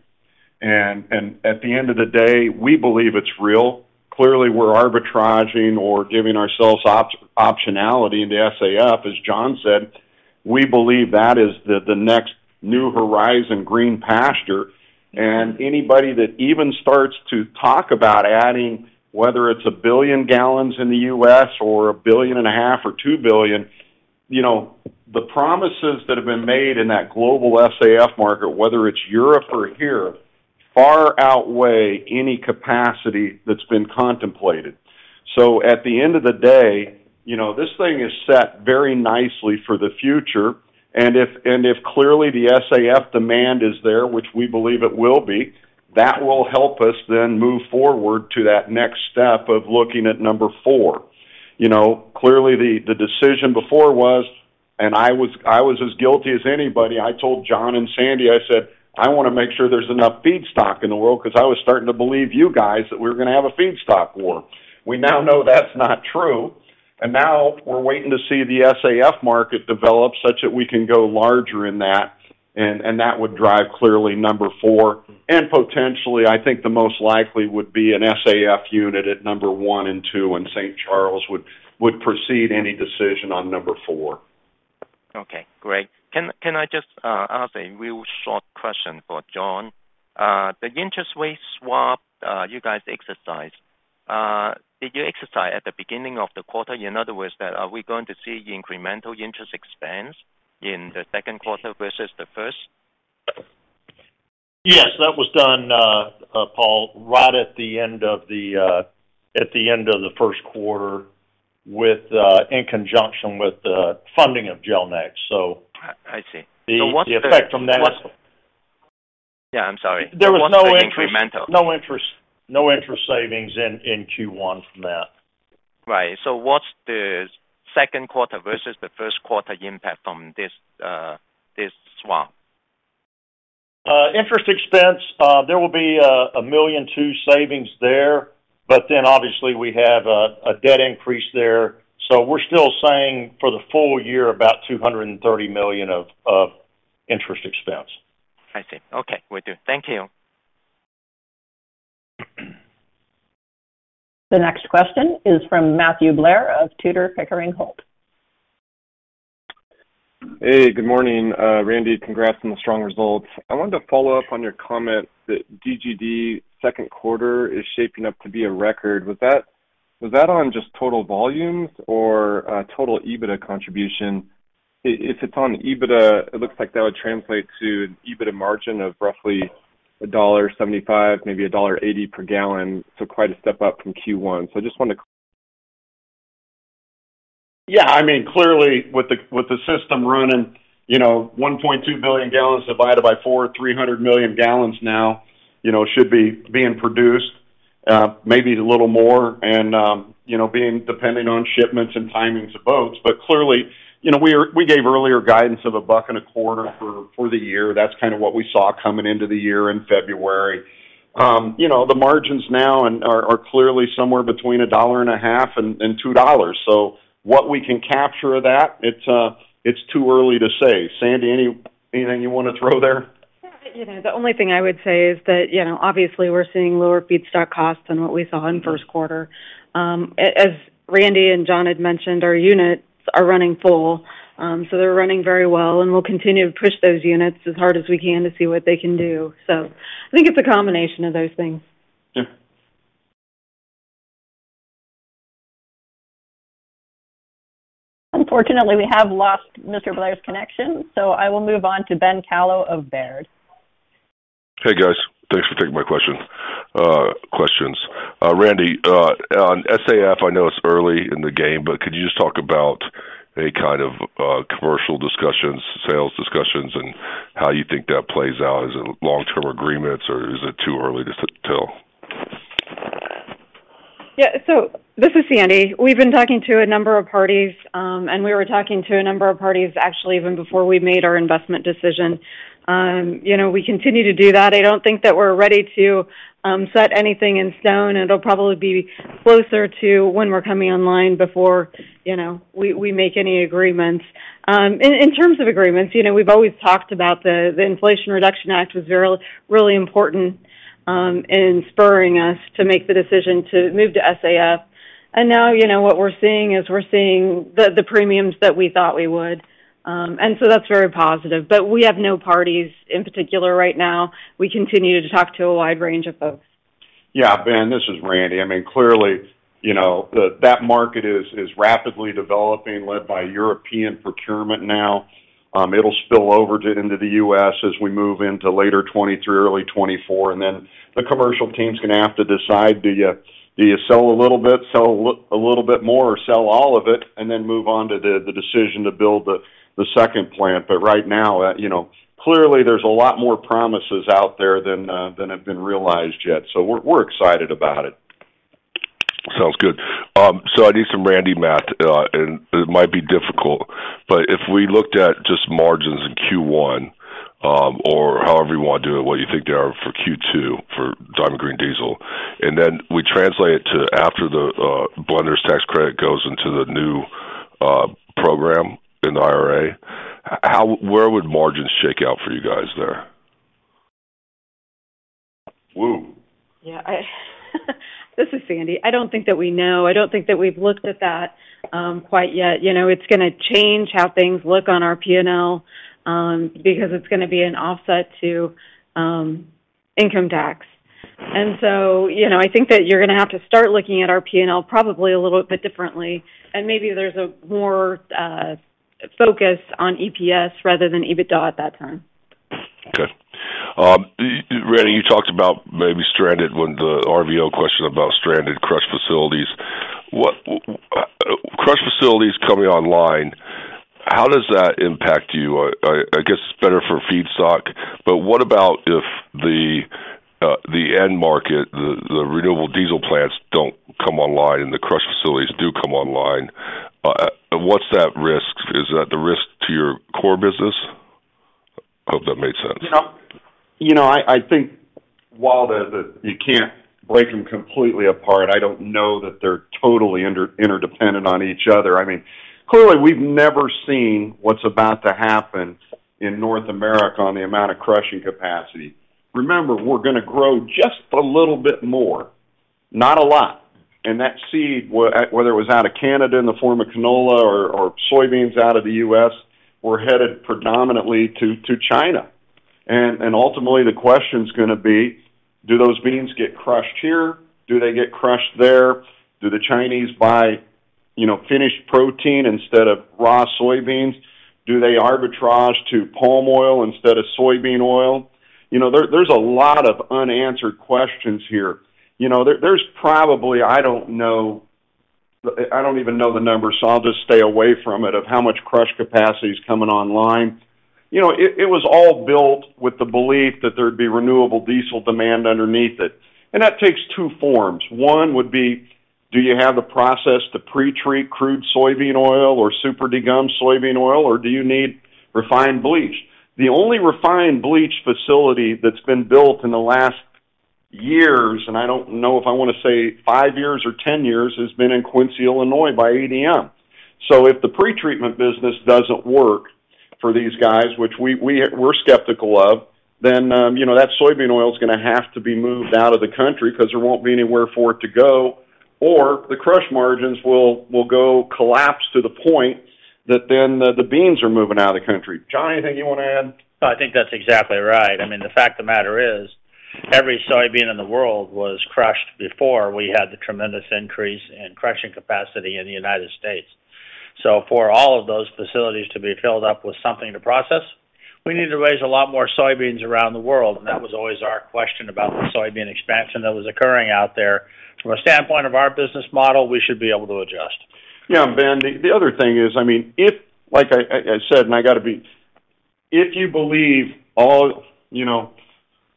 At the end of the day, we believe it's real. Clearly, we're arbitraging or giving ourselves optionality in the SAF. As John said, we believe that is the next new horizon green pasture. Anybody that even starts to talk about adding, whether it's 1 billion gals in the U.S. or 1.5 billion or 2 billion, you know, the promises that have been made in that global SAF market, whether it's Europe or here, far outweigh any capacity that's been contemplated. At the end of the day, you know, this thing is set very nicely for the future. If clearly the SAF demand is there, which we believe it will be, that will help us then move forward to that next step of looking at number four. You know, clearly the decision before was, and I was as guilty as anybody. I told John and Sandra, I said, "I want to make sure there's enough feedstock in the world," 'cause I was starting to believe you guys that we're gonna have a feedstock war. We now know that's not true. Now we're waiting to see the SAF market develop such that we can go larger in that, and that would drive clearly number four. Potentially, I think the most likely would be an SAF unit at number one and two, and St. Charles would precede any decision on number four. Okay, great. Can I just ask a real short question for John? The interest rate swap you guys exercised, did you exercise at the beginning of the quarter? In other words, that are we going to see incremental interest expense in the second quarter versus the first? Yes, that was done, Paul, right at the end of the, at the end of the first quarter with, in conjunction with the funding of Gelnex. I see. What's the? The effect from that. Yeah, I'm sorry. There was no interest- What's the incremental? No interest, no interest savings in Q1 from that. Right. what's the second quarter versus the first quarter impact from this swap? Interest expense, there will be a $1.2 million savings there. Obviously we have a debt increase there. We're still saying for the full year about $230 million of interest expense. I see. Okay. We're good. Thank you. The next question is from Matthew Blair of Tudor, Pickering Holt. Hey, good morning. Randall, congrats on the strong results. I wanted to follow up on your comment that DGD second quarter is shaping up to be a record. Was that on just total volumes or total EBITDA contribution? If it's on EBITDA, it looks like that would translate to an EBITDA margin of roughly $1.75, maybe $1.80 per gal. Quite a step up from Q1. I just wanted to. Yeah, I mean, clearly, with the, with the system running, you know, 1.2 billion gals divided by four, 300 million gals now, you know, should be being produced, maybe a little more and, you know, being dependent on shipments and timings of boats. Clearly, you know, we gave earlier guidance of a buck and a quarter for the year. That's kind of what we saw coming into the year in February. You know, the margins now are clearly somewhere between $1.50 and $2. What we can capture of that, it's too early to say. Sandra, anything you wanna throw there? Yeah. You know, the only thing I would say is that, you know, obviously, we're seeing lower feedstock costs than what we saw in first quarter. As Randall and John had mentioned, our units are running full. They're running very well, and we'll continue to push those units as hard as we can to see what they can do. I think it's a combination of those things. Yeah. Unfortunately, we have lost Mr. Blair's connection, so I will move on to Ben Kallo of Baird. Hey, guys. Thanks for taking my questions. Randall, on SAF, I know it's early in the game, but could you just talk about any kind of commercial discussions, sales discussions and how you think that plays out? Is it long-term agreements or is it too early to tell? Yeah. This is Sandra. We've been talking to a number of parties, and we were talking to a number of parties actually even before we made our investment decision. You know, we continue to do that. I don't think that we're ready to set anything in stone. It'll probably be closer to when we're coming online before, you know, we make any agreements. In terms of agreements, you know, we've always talked about the Inflation Reduction Act was really important in spurring us to make the decision to move to SAF. Now, you know, what we're seeing is we're seeing the premiums that we thought we would. That's very positive. We have no parties in particular right now. We continue to talk to a wide range of folks. Yeah, Ben, this is Randall. I mean, clearly, you know, that market is rapidly developing led by European procurement now. It'll spill over into the U.S. as we move into later 2023, early 2024. The commercial team's gonna have to decide, do you sell a little bit, sell a little bit more, or sell all of it, and then move on to the decision to build the second plant. Right now, you know, clearly there's a lot more promises out there than have been realized yet. We're excited about it. Sounds good. I need some Randall math, and it might be difficult, but if we looked at just margins in Q1, or however you want to do it, what you think they are for Q2 for Diamond Green Diesel, and then we translate it to after the Blenders Tax Credit goes into the new program in the IRA, where would margins shake out for you guys there? Yeah. This is Sandra. I don't think that we know. I don't think that we've looked at that quite yet. You know, it's gonna change how things look on our P&L because it's gonna be an offset to income tax. You know, I think that you're gonna have to start looking at our P&L probably a little bit differently. Maybe there's a more focus on EPS rather than EBITDA at that time. Okay. Randall, you talked about maybe stranded when the RVO question about stranded crush facilities. Crush facilities coming online, how does that impact you? I guess it's better for feedstock. What about if the end market, the renewable diesel plants don't come online, and the crush facilities do come online? What's that risk? Is that the risk to your core business? I hope that made sense. You know, I think while you can't break them completely apart, I don't know that they're totally interdependent on each other. I mean, clearly, we've never seen what's about to happen in North America on the amount of crushing capacity. Remember, we're gonna grow just a little bit more, not a lot. That seed, whether it was out of Canada in the form of canola or soybeans out of the U.S., we're headed predominantly to China. Ultimately, the question is gonna be, do those beans get crushed here? Do they get crushed there? Do the Chinese buy, you know, finished protein instead of raw soybeans? Do they arbitrage to palm oil instead of soybean oil? You know, there's a lot of unanswered questions here. You know, there's probably, I don't even know the numbers, so I'll just stay away from it, of how much crush capacity is coming online. You know, it was all built with the belief that there'd be renewable diesel demand underneath it. That takes two forms. One would be, do you have the process to pre-treat crude soybean oil or super degummed soybean oil, or do you need refined bleach? The only refined bleach facility that's been built in the last years, and I don't know if I want to say five-years or 10 years, has been in Quincy, Illinois, by ADM. If the pretreatment business doesn't work for these guys, which we're skeptical of, you know, that soybean oil is going to have to be moved out of the country because there won't be anywhere for it to go, or the crush margins will go collapse to the point that the beans are moving out of the country. John, anything you want to add? I think that's exactly right. I mean, the fact of the matter is, every soybean in the world was crushed before we had the tremendous increase in crushing capacity in the United States. For all of those facilities to be filled up with something to process, we need to raise a lot more soybeans around the world. That was always our question about the soybean expansion that was occurring out there. From a standpoint of our business model, we should be able to adjust. Ben, the other thing is, I mean, if like I said, if you believe all, you know,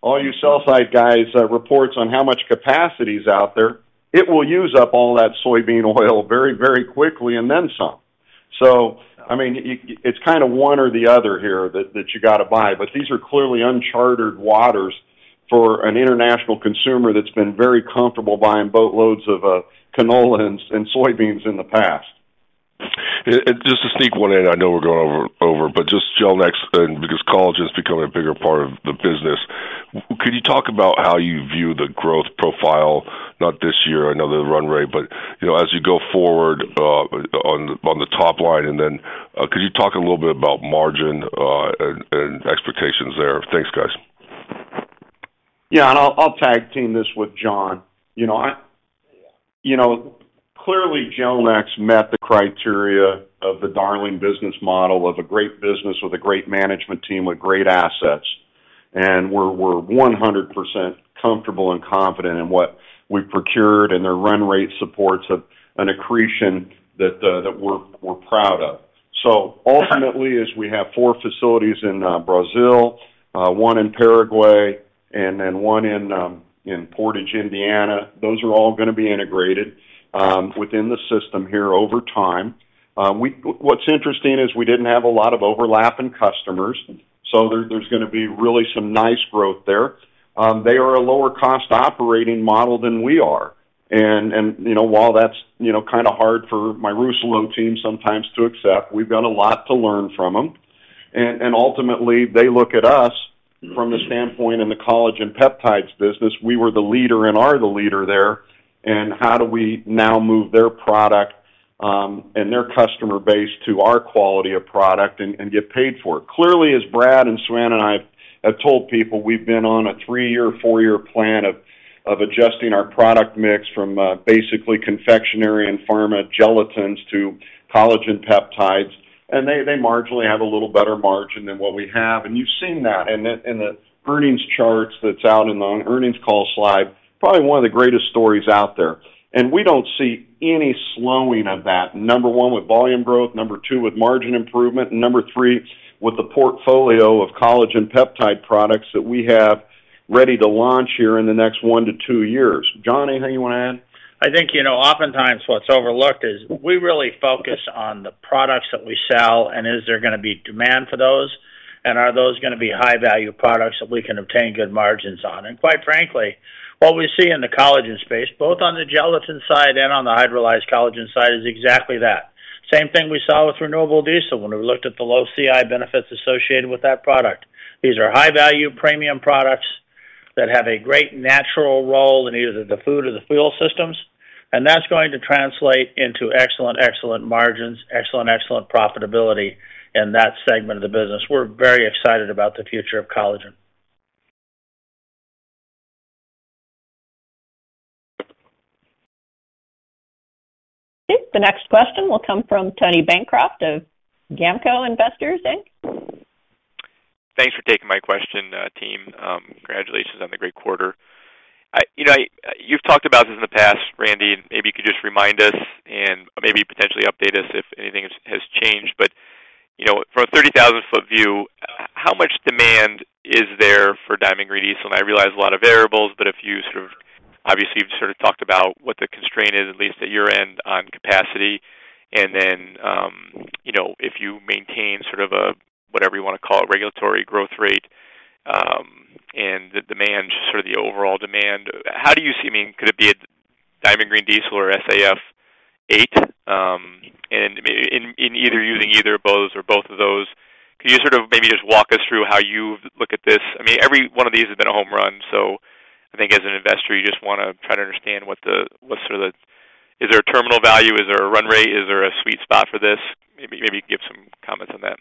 all you sell side guys' reports on how much capacity is out there, it will use up all that soybean oil very, very quickly and then some. I mean, it's kind of one or the other here that you got to buy. These are clearly uncharted waters for an international consumer that's been very comfortable buying boatloads of canola and soybeans in the past. Just to sneak one in. I know we're going over, but just Gelnex, because collagen is becoming a bigger part of the business. Could you talk about how you view the growth profile? Not this year, I know the run rate, but, you know, as you go forward, on the top line, and then, could you talk a little bit about margin and expectations there? Thanks, guys. I'll tag team this with John. You know, you know, clearly, Gelnex met the criteria of the Darling business model of a great business with a great management team, with great assets. We're 100% comfortable and confident in what we procured and their run rate supports of an accretion that we're proud of. Ultimately, as we have four facilities in Brazil, one in Paraguay, and then one in Portage, Indiana, those are all going to be integrated within the system here over time. What's interesting is we didn't have a lot of overlap in customers, there's gonna be really some nice growth there. They are a lower cost operating model than we are. you know, while that's, you know, kind of hard for my Rousselot team sometimes to accept, we've got a lot to learn from them. Ultimately, they look at us from the standpoint in the collagen peptides business. We were the leader and are the leader there. How do we now move their product and their customer base to our quality of product and get paid for it? Clearly, as Brad and Suann and I have told people, we've been on a three-year, four-year plan of adjusting our product mix from basically confectionary and pharma gelatins to collagen peptides. They marginally have a little better margin than what we have. You've seen that in the earnings charts that's out in the earnings call slide, probably one of the greatest stories out there. We don't see any slowing of that. Number one, with volume growth, number two, with margin improvement, and number three, with the portfolio of collagen peptide products that we have ready to launch here in the next one to two years. John, anything you want to add? I think, you know, oftentimes what's overlooked is we really focus on the products that we sell and is there gonna be demand for those, and are those gonna be high value products that we can obtain good margins on. Quite frankly, what we see in the collagen space, both on the gelatin side and on the hydrolyzed collagen side, is exactly that. Same thing we saw with renewable diesel when we looked at the low CI benefits associated with that product. These are high value premium products that have a great natural role in either the food or the Fuel systems, that's going to translate into excellent margins, excellent profitability in that segment of the business. We're very excited about the future of collagen. Okay. The next question will come from Tony Bancroft of GAMCO Investors, Inc. Thanks for taking my question, team. Congratulations on the great quarter. You know, you've talked about this in the past, Randall, and maybe you could just remind us and maybe potentially update us if anything has changed. You know, from a 30,000 foot view, how much demand is there for Diamond Green Diesel? I realize a lot of variables, but obviously, you've sort of talked about what the constraint is, at least at your end, on capacity. You know, if you maintain sort of a, whatever you wanna call it, regulatory growth rate, and the demand, just sort of the overall demand, I mean, could it be a Diamond Green Diesel or SAF 8? In either using either of those or both of those, can you sort of maybe just walk us through how you look at this? I mean, every one of these has been a home run. I think as an investor, you just wanna try to understand what's sort of the... Is there a terminal value? Is there a run rate? Is there a sweet spot for this? Maybe give some comments on that.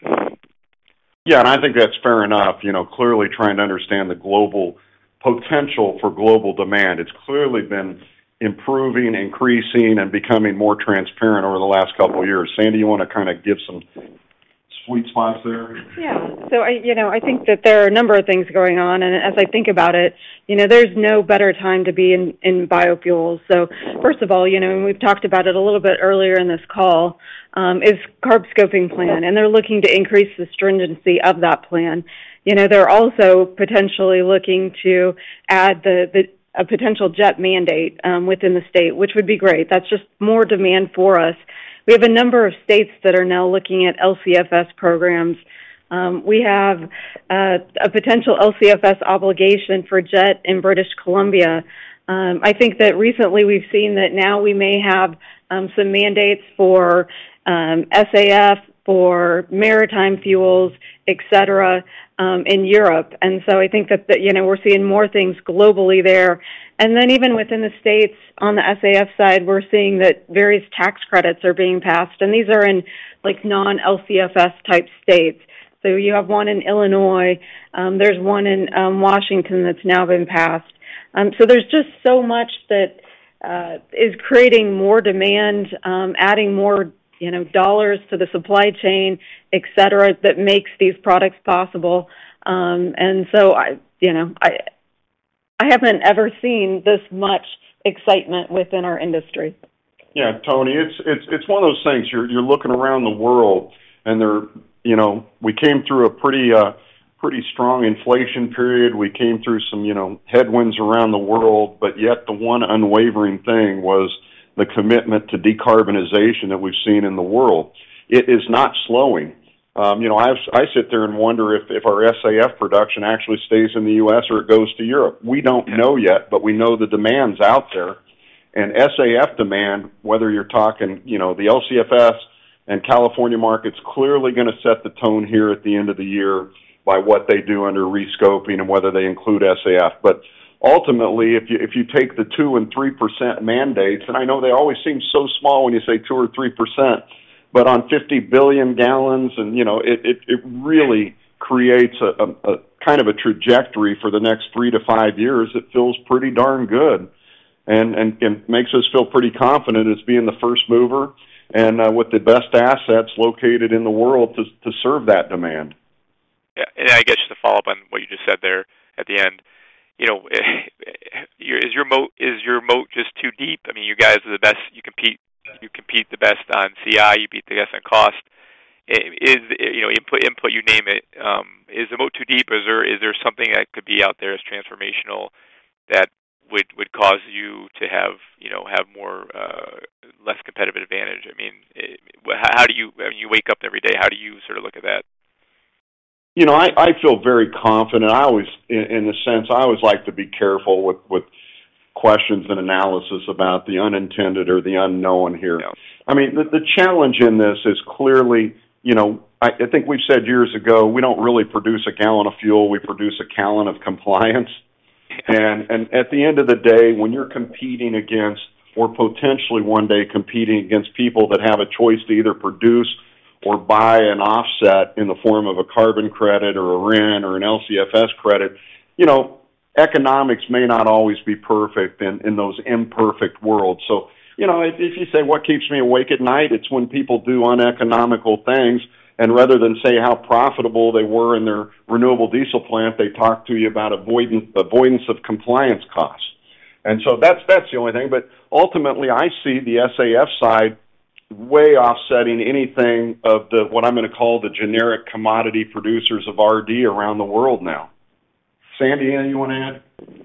Yeah. I think that's fair enough. You know, clearly trying to understand the global potential for global demand. It's clearly been improving, increasing, and becoming more transparent over the last couple of years. Sandra, you wanna kinda give some sweet spots there? Yeah. I, you know, I think that there are a number of things going on. As I think about it, you know, there's no better time to be in biofuels. First of all, you know, and we've talked about it a little bit earlier in this call, is CARB's scoping plan, and they're looking to increase the stringency of that plan. You know, they're also potentially looking to add a potential jet mandate within the state, which would be great. That's just more demand for us. We have a number of states that are now looking at LCFS programs. We have a potential LCFS obligation for jet in British Columbia. I think that recently we've seen that now we may have some mandates for SAF, for maritime fuels, et cetera, in Europe. I think that the... You know, we're seeing more things globally there. Even within the States, on the SAF side, we're seeing that various tax credits are being passed, and these are in, like, non-LCFS type states. You have one in Illinois, there's one in Washington that's now been passed. There's just so much that is creating more demand, adding more, you know, dollars to the supply chain, et cetera, that makes these products possible. I, you know, I haven't ever seen this much excitement within our industry. Yeah, Tony, it's one of those things. You're looking around the world. You know, we came through a pretty strong inflation period. We came through some, you know, headwinds around the world. The one unwavering thing was the commitment to decarbonization that we've seen in the world. It is not slowing. You know, I sit there and wonder if our SAF production actually stays in the U.S. or it goes to Europe. We don't know yet, but we know the demand's out there. SAF demand, whether you're talking, you know, the LCFS and California market's clearly gonna set the tone here at the end of the year by what they do under rescoping and whether they include SAF. Ultimately, if you take the 2% and 3% mandates, and I know they always seem so small when you say 2% or 3%, but on 50 billion gals and, you know, it really creates a kind of a trajectory for the next three to five-years that feels pretty darn good and makes us feel pretty confident as being the first mover and with the best assets located in the world to serve that demand. Yeah. I guess just to follow up on what you just said there at the end. You know, is your moat just too deep? I mean, you guys are the best. You compete the best on CI. You beat the guys on cost. You know, input, you name it. Is the moat too deep? Is there something that could be out there as transformational that would cause you to have, you know, have more less competitive advantage? I mean, When you wake up every day, how do you sort of look at that? You know, I feel very confident. I always, in a sense, I always like to be careful with questions and analysis about the unintended or the unknown here. Yeah. I mean, the challenge in this is clearly, you know. I think we've said years ago, we don't really produce a gal of fuel, we produce a gal of compliance. At the end of the day, when you're competing against or potentially one day competing against people that have a choice to either produce or buy an offset in the form of a carbon credit or a RIN or an LCFS credit, you know, economics may not always be perfect in those imperfect worlds. You know, if you say, what keeps me awake at night? It's when people do uneconomical things, and rather than say how profitable they were in their renewable diesel plant, they talk to you about avoidance of compliance costs. That's the only thing. Ultimately, I see the SAF side way offsetting anything of the, what I'm gonna call the generic commodity producers of RD around the world now. Sandra, anything you wanna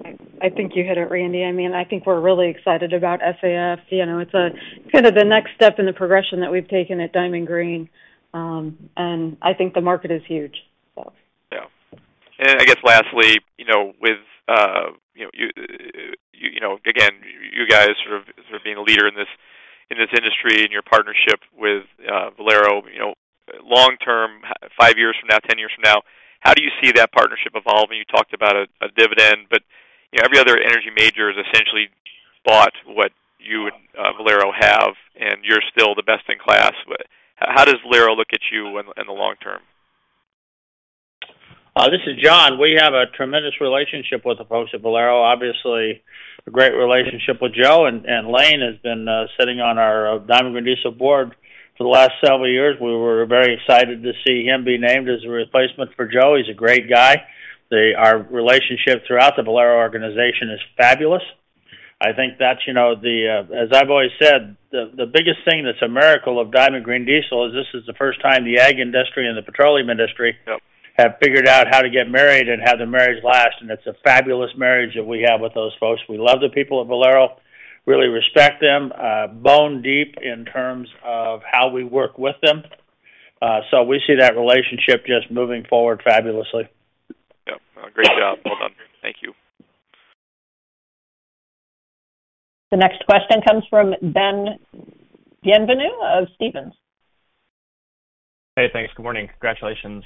add? I think you hit it, Randall. I mean, I think we're really excited about SAF. You know, it's a kind of the next step in the progression that we've taken at Diamond Green. I think the market is huge. Yeah. I guess lastly, you know, with, you know, you know, again, you guys sort of being a leader in this, in this industry and your partnership with Valero, you know, long term, five-years from now, 10 years from now, how do you see that partnership evolving? You talked about a dividend, but, you know, every other energy major has essentially bought what you and Valero have, and you're still the best in class. How does Valero look at you in the long term? This is John. We have a tremendous relationship with the folks at Valero. Obviously, a great relationship with Joe, and Lane has been sitting on our Diamond Green Diesel board for the last several years. We were very excited to see him be named as a replacement for Joe. He's a great guy. Our relationship throughout the Valero organization is fabulous. I think that's, you know, as I've always said, the biggest thing that's a miracle of Diamond Green Diesel is this is the first time the ag industry and the petroleum industry- Yep Have figured out how to get married and have the marriage last. It's a fabulous marriage that we have with those folks. We love the people at Valero, really respect them, bone deep in terms of how we work with them. We see that relationship just moving forward fabulously. Yep. A great job. Well done. Thank you. The next question comes from Ben Bienvenu of Stephens. Hey, thanks. Good morning. Congratulations.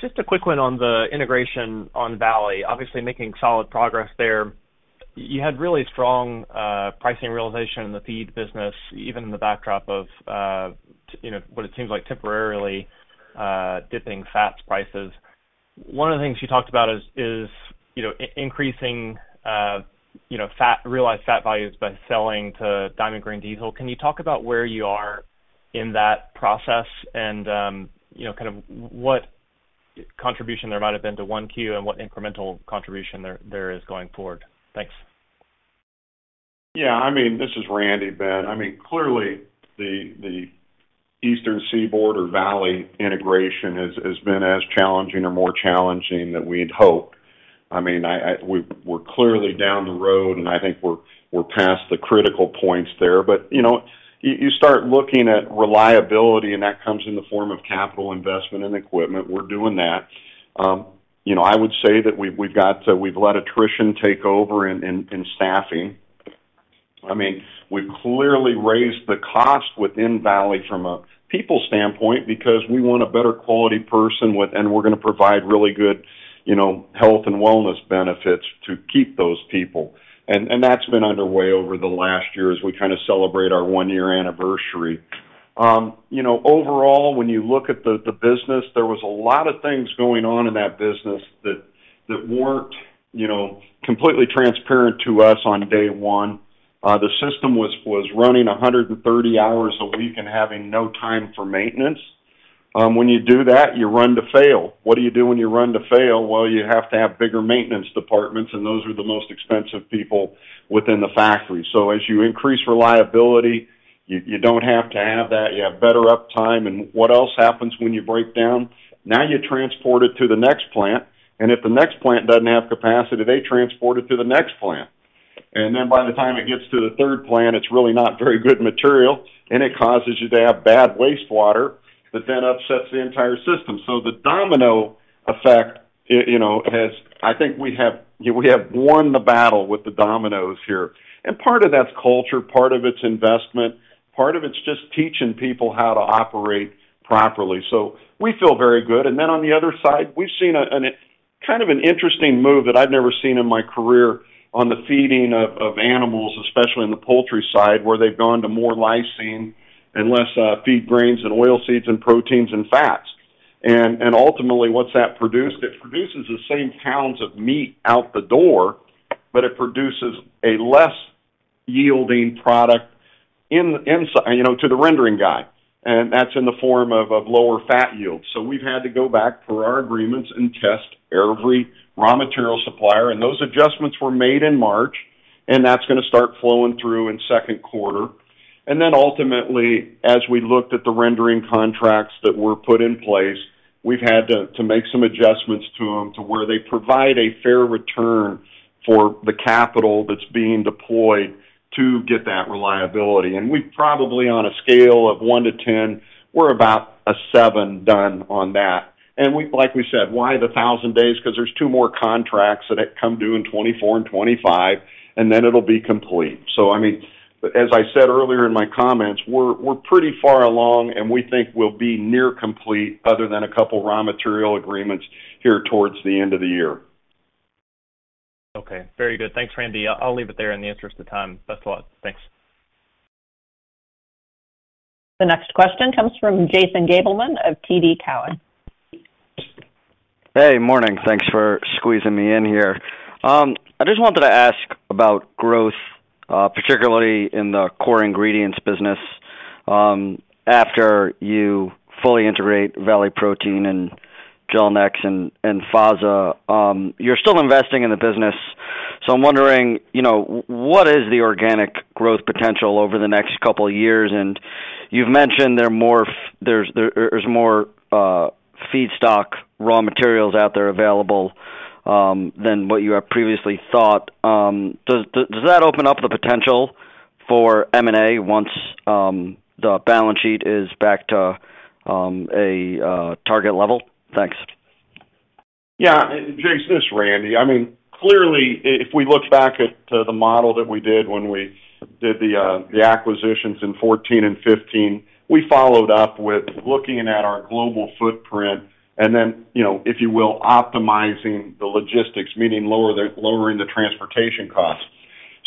Just a quick one on the integration on Valley. Obviously, making solid progress there. You had really strong pricing realization in the Feed business, even in the backdrop of, you know, what it seems like temporarily, dipping fats prices. One of the things you talked about is, you know, increasing, you know, realized fat values by selling to Diamond Green Diesel. Can you talk about where you are in that process and, you know, kind of what contribution there might have been to 1Q, and what incremental contribution there is going forward? Thanks. Yeah. I mean, this is Randall, Ben. I mean, clearly the eastern seaboard or Valley integration has been as challenging or more challenging than we'd hoped. I mean, we're clearly down the road, and I think we're past the critical points there. You know, you start looking at reliability, and that comes in the form of capital investment and equipment. We're doing that. You know, I would say that we've let attrition take over in staffing. I mean, we've clearly raised the cost within Valley from a people standpoint because we want a better quality person with. we're gonna provide really good, you know, health and wellness benefits to keep those people. That's been underway over the last year as we kinda celebrate our one-year anniversary. You know, overall, when you look at the business, there was a lot of things going on in that business that weren't, you know, completely transparent to us on day one. The system was running 130 hours a week and having no time for maintenance. When you do that, you run to fail. What do you do when you run to fail? Well, you have to have bigger maintenance departments, and those are the most expensive people within the factory. As you increase reliability, you don't have to have that. You have better uptime. What else happens when you break down? Now you transport it to the next plant, and if the next plant doesn't have capacity, they transport it to the next plant. By the time it gets to the third plant, it's really not very good material, and it causes you to have bad wastewater that then upsets the entire system. The domino effect, you know, I think we have won the battle with the dominoes here. Part of that's culture, part of it's investment, part of it's just teaching people how to operate properly. We feel very good. On the other side, we've seen an interesting move that I'd never seen in my career on the feeding of animals, especially on the poultry side, where they've gone to more lysine and less feed grains and oil seeds and proteins and fats. Ultimately, what's that produced? It produces the same pounds of meat out the door, it produces a less yielding product you know, to the rendering guy, and that's in the form of lower fat yields. We've had to go back per our agreements and test every raw material supplier. Those adjustments were made in March, and that's gonna start flowing through in second quarter. Ultimately, as we looked at the rendering contracts that were put in place, we've had to make some adjustments to them to where they provide a fair return for the capital that's being deployed to get that reliability. We probably, on a scale of one to 10, we're about a seven done on that. Like we said, why the 1,000 days? Cause there's two more contracts that come due in 2024 and 2025. Then it'll be complete. I mean, as I said earlier in my comments, we're pretty far along, and we think we'll be near complete other than a couple raw material agreements here towards the end of the year. Okay. Very good. Thanks, Randall. I'll leave it there in the interest of time. Best of luck. Thanks. The next question comes from Jason Gabelman of TD Cowen. Hey, morning. Thanks for squeezing me in here. I just wanted to ask about growth, particularly in the core ingredients business, after you fully integrate Valley Proteins and Gelnex and FASA. You're still investing in the business. I'm wondering what is the organic growth potential over the next couple of years? You've mentioned there's more feedstock raw materials out there available than what you had previously thought. Does that open up the potential for M&A once the balance sheet is back to a target level? Thanks. Yeah. Jason, this is Randall. I mean, clearly, if we look back at, to the model that we did when we did the acquisitions in 2014 and 2015, we followed up with looking at our global footprint and then, you know, if you will, optimizing the logistics, meaning lowering the transportation costs.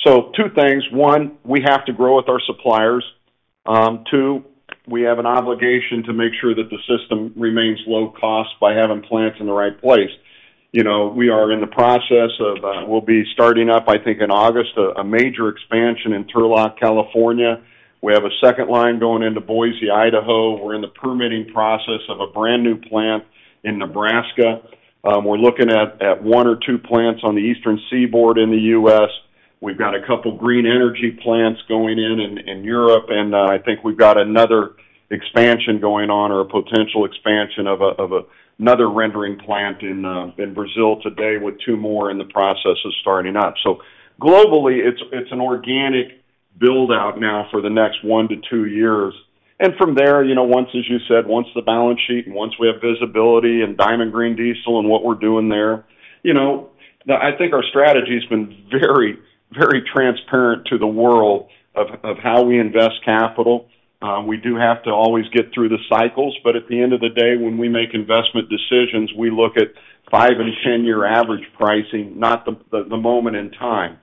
Two things. One, we have to grow with our suppliers. Two, we have an obligation to make sure that the system remains low cost by having plants in the right place. You know, we are in the process of, we'll be starting up, I think in August, a major expansion in Turlock, California. We have a second line going into Boise, Idaho. We're in the permitting process of a brand-new plant in Nebraska. We're looking at one or two plants on the Eastern Seaboard in the U.S. We've got a couple green energy plants going in Europe, and I think we've got another expansion going on or a potential expansion of a another rendering plant in Brazil today with two more in the process of starting up. Globally, it's an organic build-out now for the next one to two years. From there, you know, once, as you said, once the balance sheet and once we have visibility in Diamond Green Diesel and what we're doing there, you know, I think our strategy's been very transparent to the world of how we invest capital. We do have to always get through the cycles, but at the end of the day, when we make investment decisions, we look at five and 10-year average pricing, not the moment in time.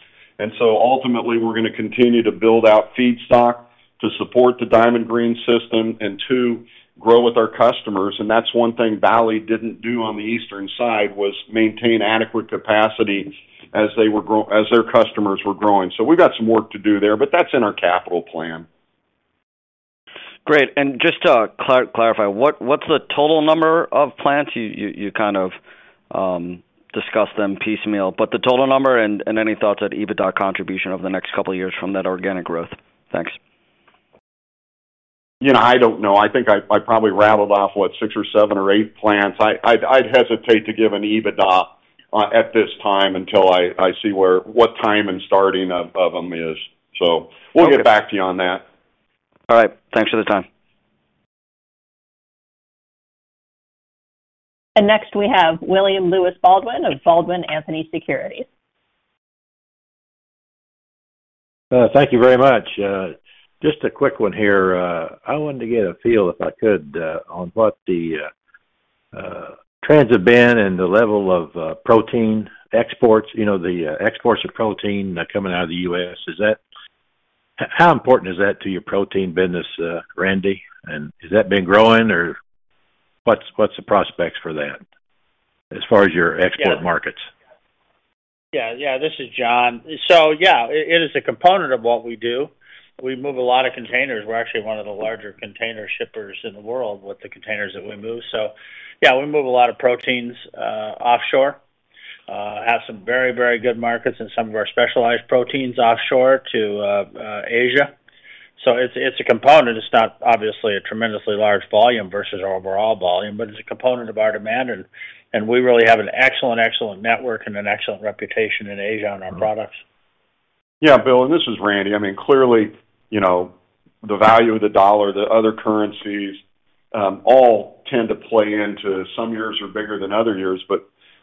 Ultimately, we're gonna continue to build out feedstock to support the Diamond Green system and, two, grow with our customers. That's one thing Valley didn't do on the Eastern side, was maintain adequate capacity as their customers were growing. We've got some work to do there, but that's in our capital plan. Great. Just to clarify, what's the total number of plants? You kind of discussed them piecemeal. The total number and any thoughts on EBITDA contribution over the next couple of years from that organic growth. Thanks. You know, I don't know. I think I probably rattled off, what? Six or seven or eight plants. I'd hesitate to give an EBITDA at this time until I see what time and starting of them is. We'll get back to you on that. All right. Thanks for the time. Next, we have William Lewis Baldwin of Baldwin Anthony Securities. Thank you very much. Just a quick one here. I wanted to get a feel, if I could, on what the trends have been and the level of protein exports, you know, the exports of protein coming out of the U.S. How important is that to your protein business, Randall? Has that been growing or what's the prospects for that as far as your export markets? Yeah. Yeah, this is John. Yeah, it is a component of what we do. We move a lot of containers. We're actually one of the larger container shippers in the world with the containers that we move. Yeah, we move a lot of proteins offshore. Have some very good markets in some of our specialized proteins offshore to Asia. It's a component. It's not obviously a tremendously large volume versus our overall volume, but it's a component of our demand and we really have an excellent network and an excellent reputation in Asia on our products. Yeah, Bill, this is Randall. I mean, clearly, you know, the value of the dollar, the other currencies, all tend to play into some years are bigger than other years.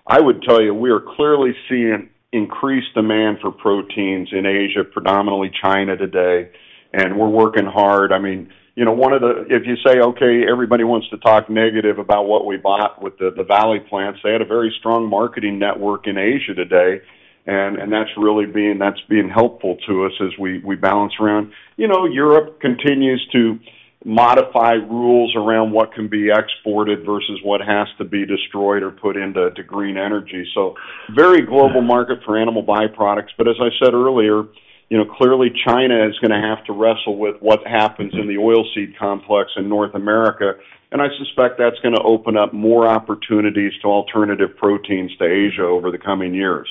I would tell you, we are clearly seeing increased demand for proteins in Asia, predominantly China today. We're working hard. I mean, you know, one of the If you say, okay, everybody wants to talk negative about what we bought with the Valley Proteins plants, they had a very strong marketing network in Asia today, that's really being helpful to us as we balance around. You know, Europe continues to modify rules around what can be exported versus what has to be destroyed or put into green energy. Very global market for animal by-products. As I said earlier, you know, clearly China is gonna have to wrestle with what happens in the oil seed complex in North America. I suspect that's gonna open up more opportunities to alternative proteins to Asia over the coming years.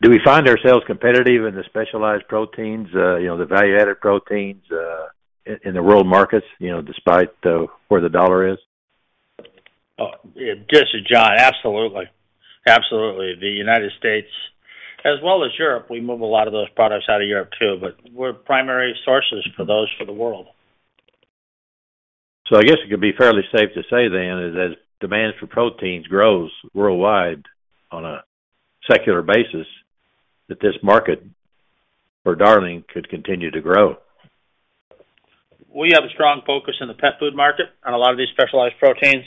Do we find ourselves competitive in the specialized proteins, you know, the value-added proteins, in the world markets, you know, despite the, where the dollar is? This is John. Absolutely. Absolutely. The United States as well as Europe, we move a lot of those products out of Europe too, but we're primary sources for those for the world. I guess it could be fairly safe to say then is as demand for proteins grows worldwide on a secular basis, that this market for Darling could continue to grow. We have a strong focus in the pet food market on a lot of these specialized proteins.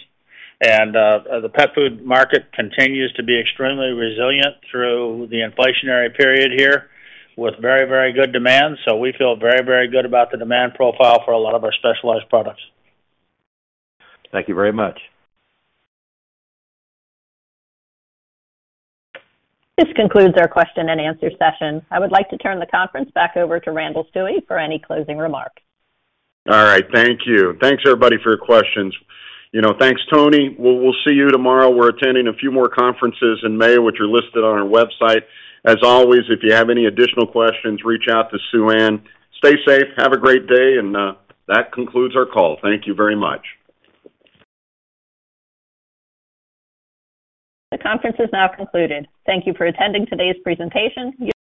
The pet food market continues to be extremely resilient through the inflationary period here with very, very good demand. We feel very, very good about the demand profile for a lot of our specialized products. Thank you very much. This concludes our question and answer session. I would like to turn the conference back over to Randall Stuewe for any closing remarks. All right. Thank you. Thanks everybody for your questions. You know, thanks, Tony. We'll, we'll see you tomorrow. We're attending a few more conferences in May, which are listed on our website. As always, if you have any additional questions, reach out to Suanne. Stay safe. Have a great day, and that concludes our call. Thank you very much. The conference is now concluded. Thank you for attending today's presentation.